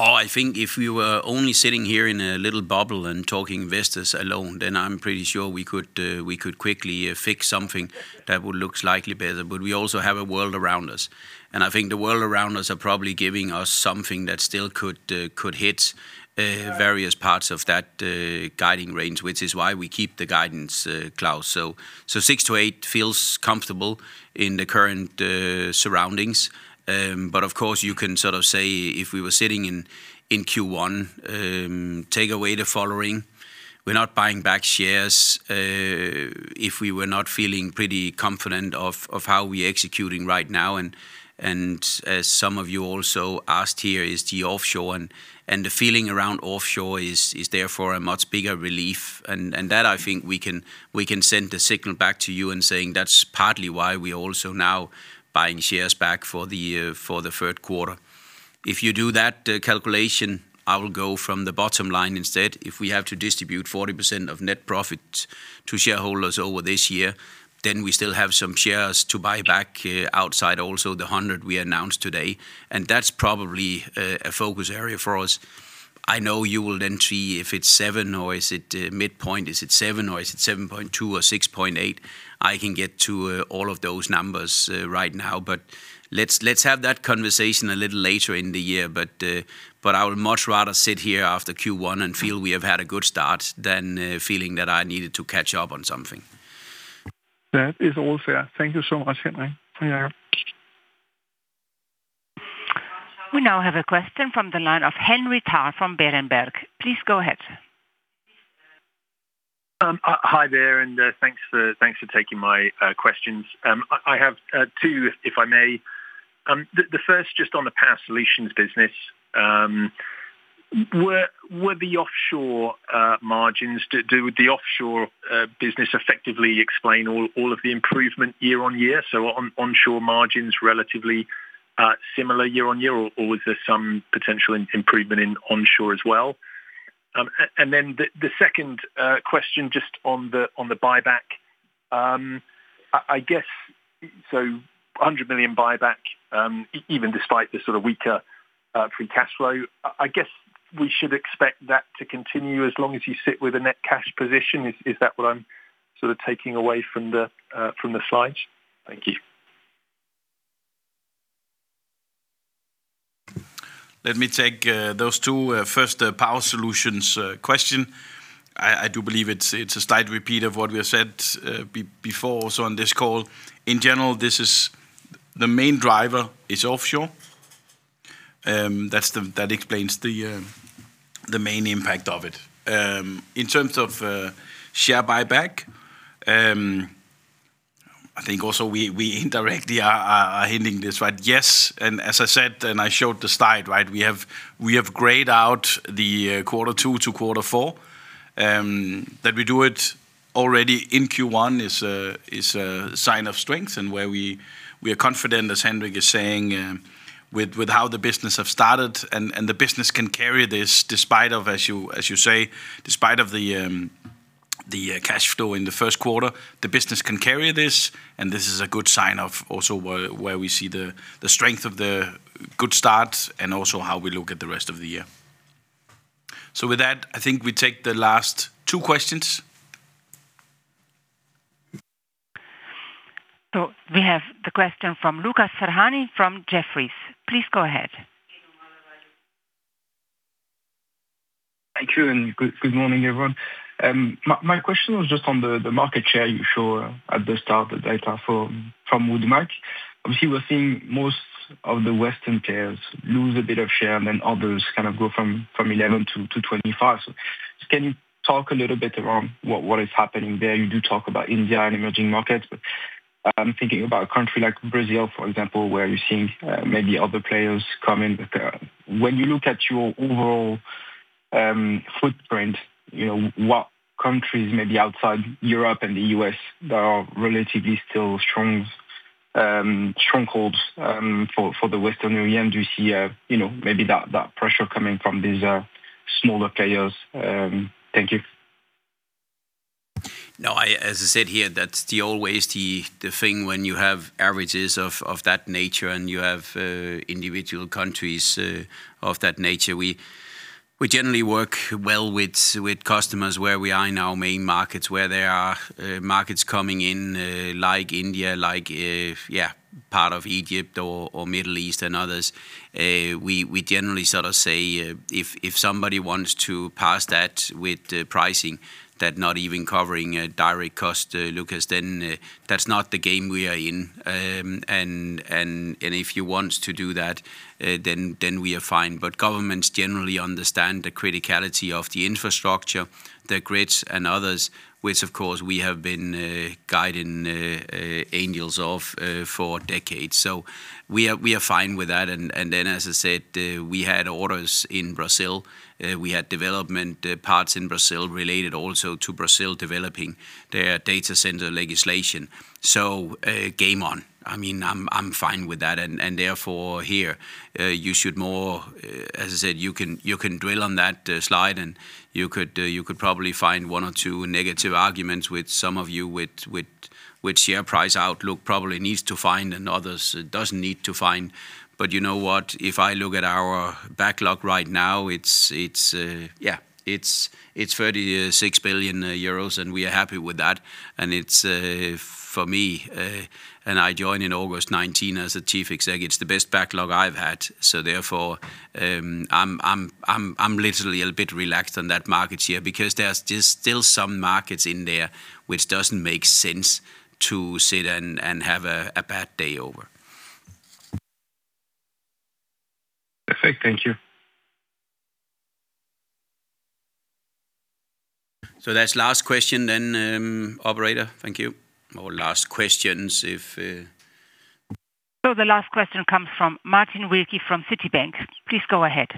I think if you were only sitting here in a little bubble and talking Vestas alone, then I'm pretty sure we could quickly fix something that would look slightly better. We also have a world around us, and I think the world around us are probably giving us something that still could hit various parts of that guiding range, which is why we keep the guidance, Claus. Six to eight feels comfortable in the current surroundings. Of course, you can sort of say if we were sitting in Q1, take away the following. We're not buying back shares if we were not feeling pretty confident of how we executing right now. As some of you also asked here, the offshore and the feeling around offshore is therefore a much bigger relief. That I think we can send a signal back to you in saying that's partly why we also now buying shares back for the third quarter. If you do that calculation, I will go from the bottom line instead. If we have to distribute 40% of net profit to shareholders over this year, then we still have some shares to buy back outside also the 100 we announced today, and that's probably a focus area for us. I know you will then see if it's seven or is it midpoint, is it seven or is it 7.2 or 6.8? I can get to all of those numbers right now. Let's have that conversation a little later in the year. I would much rather sit here after Q1 and feel we have had a good start than feeling that I needed to catch up on something. That is all fair. Thank you so much, Henrik, for your help. We now have a question from the line of Henry Tarr from Berenberg. Please go ahead. Hi there, and thanks for taking my questions. I have two, if I may. The first just on the Power Solutions business. Do the offshore business effectively explain all of the improvement year on year? On-onshore margins relatively similar year on year or was there some potential improvement in onshore as well? And then the second question just on the buyback. I guess so 100 million buyback, even despite the sort of weaker free cash flow, I guess we should expect that to continue as long as you sit with a net cash position. Is that what I'm sort of taking away from the slides? Thank you. Let me take those two. First, the Power Solutions question. I do believe it's a slight repeat of what we have said before, so on this call. In general, this is the main driver is offshore. That explains the main impact of it. In terms of share buyback, I think also we indirectly are hinting this, right? Yes, as I said, and I showed the slide, right? We have grayed out the quarter two to quarter four that we do it already in Q1 is a sign of strength and where we are confident, as Henrik is saying, with how the business have started. The business can carry this despite of, as you say, despite of the cash flow in the first quarter, the business can carry this, and this is a good sign of also where we see the strength of the good start and also how we look at the rest of the year. With that, I think we take the last two questions. We have the question from Lucas Ferhani from Jefferies. Please go ahead. Thank you, and good morning, everyone. My question was just on the market share you show at the start, the data from WoodMac. Obviously, we're seeing most of the Western players lose a bit of share, and then others kind of go from 11 to 25. Can you talk a little bit around what is happening there? You do talk about India and emerging markets, but I'm thinking about a country like Brazil, for example, where you're seeing maybe other players come in. When you look at your overall footprint, you know, what countries maybe outside Europe and the U.S. that are relatively still strong strongholds for the Western OEM. Do you see, you know, maybe that pressure coming from these smaller players? Thank you. No, as I said here, that's the always the thing when you have averages of that nature and you have individual countries of that nature. We generally work well with customers where we are in our main markets. Where there are markets coming in, like India, like, yeah, part of Egypt or Middle East and others, we generally sort of say if somebody wants to pass that with the pricing that not even covering a direct cost, Lucas, then that's not the game we are in. If you want to do that, then we are fine. Governments generally understand the criticality of the infrastructure, the grids and others, which of course we have been guiding angels of for decades. We are fine with that. Then as I said, we had orders in Brazil. We had development parts in Brazil related also to Brazil developing their data center legislation. Game on. I mean, I am fine with that. Therefore, here, you should more, as I said, you can drill on that slide, and you could probably find one or two negative arguments with some of you with which share price outlook probably needs to find and others doesn't need to find. You know what? If I look at our backlog right now, it's, yeah, it's 36 billion euros, and we are happy with that. It's for me, and I joined in August 19 as the Chief Executive, it's the best backlog I've had. Therefore, I'm literally a bit relaxed on that market share because there's just still some markets in there which doesn't make sense to sit and have a bad day over. Perfect. Thank you. That's last question then, operator. Thank you. The last question comes from Martin Wilkie from Citibank. Please go ahead.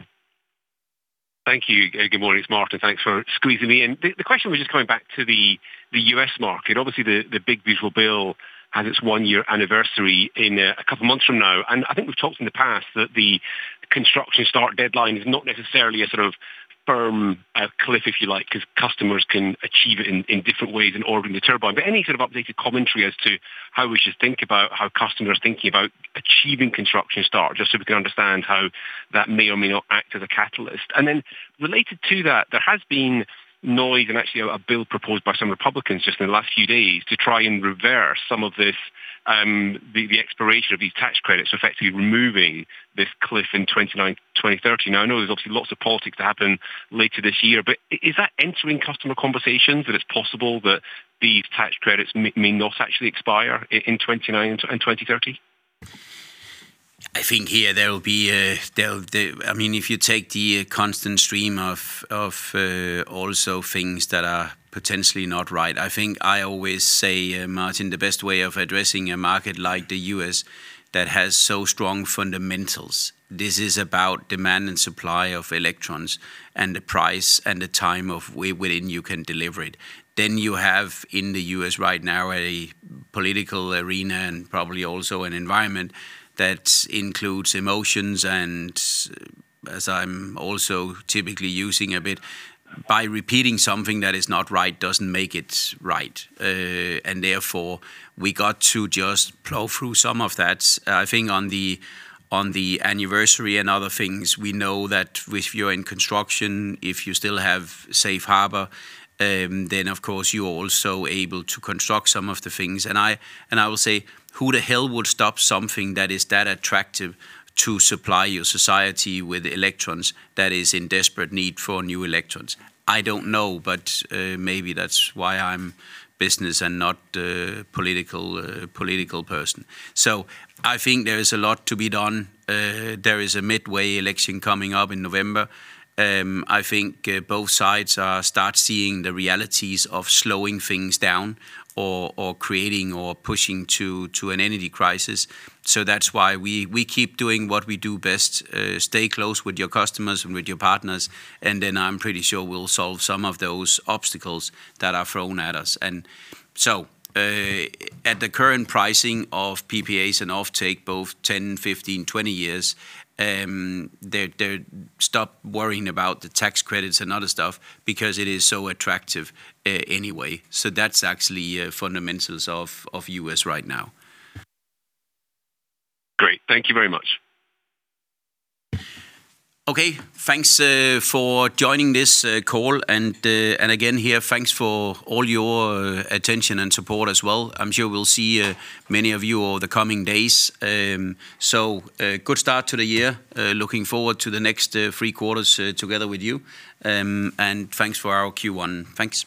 Thank you. Good morning, it's Martin. Thanks for squeezing me in. The question was just coming back to the U.S. market. Obviously, the big visual bill has its one-year anniversary in two months from now. I think we've talked in the past that the construction start deadline is not necessarily a sort of firm cliff, if you like, 'cause customers can achieve it in different ways in ordering the turbine. Any sort of updated commentary as to how we should think about how customers are thinking about achieving construction start, just so we can understand how that may or may not act as a catalyst. Related to that, there has been noise and actually a bill proposed by some Republicans just in the last few days to try and reverse some of this, the expiration of these tax credits, so effectively removing this cliff in 2029, 2030. I know there's obviously lots of politics that happen later this year, but is that entering customer conversations that it's possible that these tax credits may not actually expire in 2029 and 2030? I think here there will be if you take the constant stream of also things that are potentially not right. I think I always say, Martin, the best way of addressing a market like the U.S. that has so strong fundamentals, this is about demand and supply of electrons and the price and the time of where within you can deliver it. You have in the U.S. right now a political arena and probably also an environment that includes emotions, and as I'm also typically using a bit, by repeating something that is not right doesn't make it right. Therefore, we got to just plow through some of that. I think on the anniversary and other things, we know that if you're in construction, if you still have safe harbor, then of course you're also able to construct some of the things. I will say, "Who the hell would stop something that is that attractive to supply your society with electrons that is in desperate need for new electrons?" I don't know, maybe that's why I'm business and not political person. I think there is a lot to be done. There is a midway election coming up in November. I think both sides are start seeing the realities of slowing things down or creating or pushing to an energy crisis. That's why we keep doing what we do best, stay close with your customers and with your partners, and then I'm pretty sure we'll solve some of those obstacles that are thrown at us. At the current pricing of PPAs and offtake, both 10, 15, 20 years, they're stop worrying about the tax credits and other stuff because it is so attractive anyway. That's actually fundamentals of U.S. right now. Great. Thank you very much. Okay. Thanks for joining this call. Again here, thanks for all your attention and support as well. I’m sure we’ll see many of you over the coming days. Good start to the year. Looking forward to the next three quarters together with you. Thanks for our Q1. Thanks.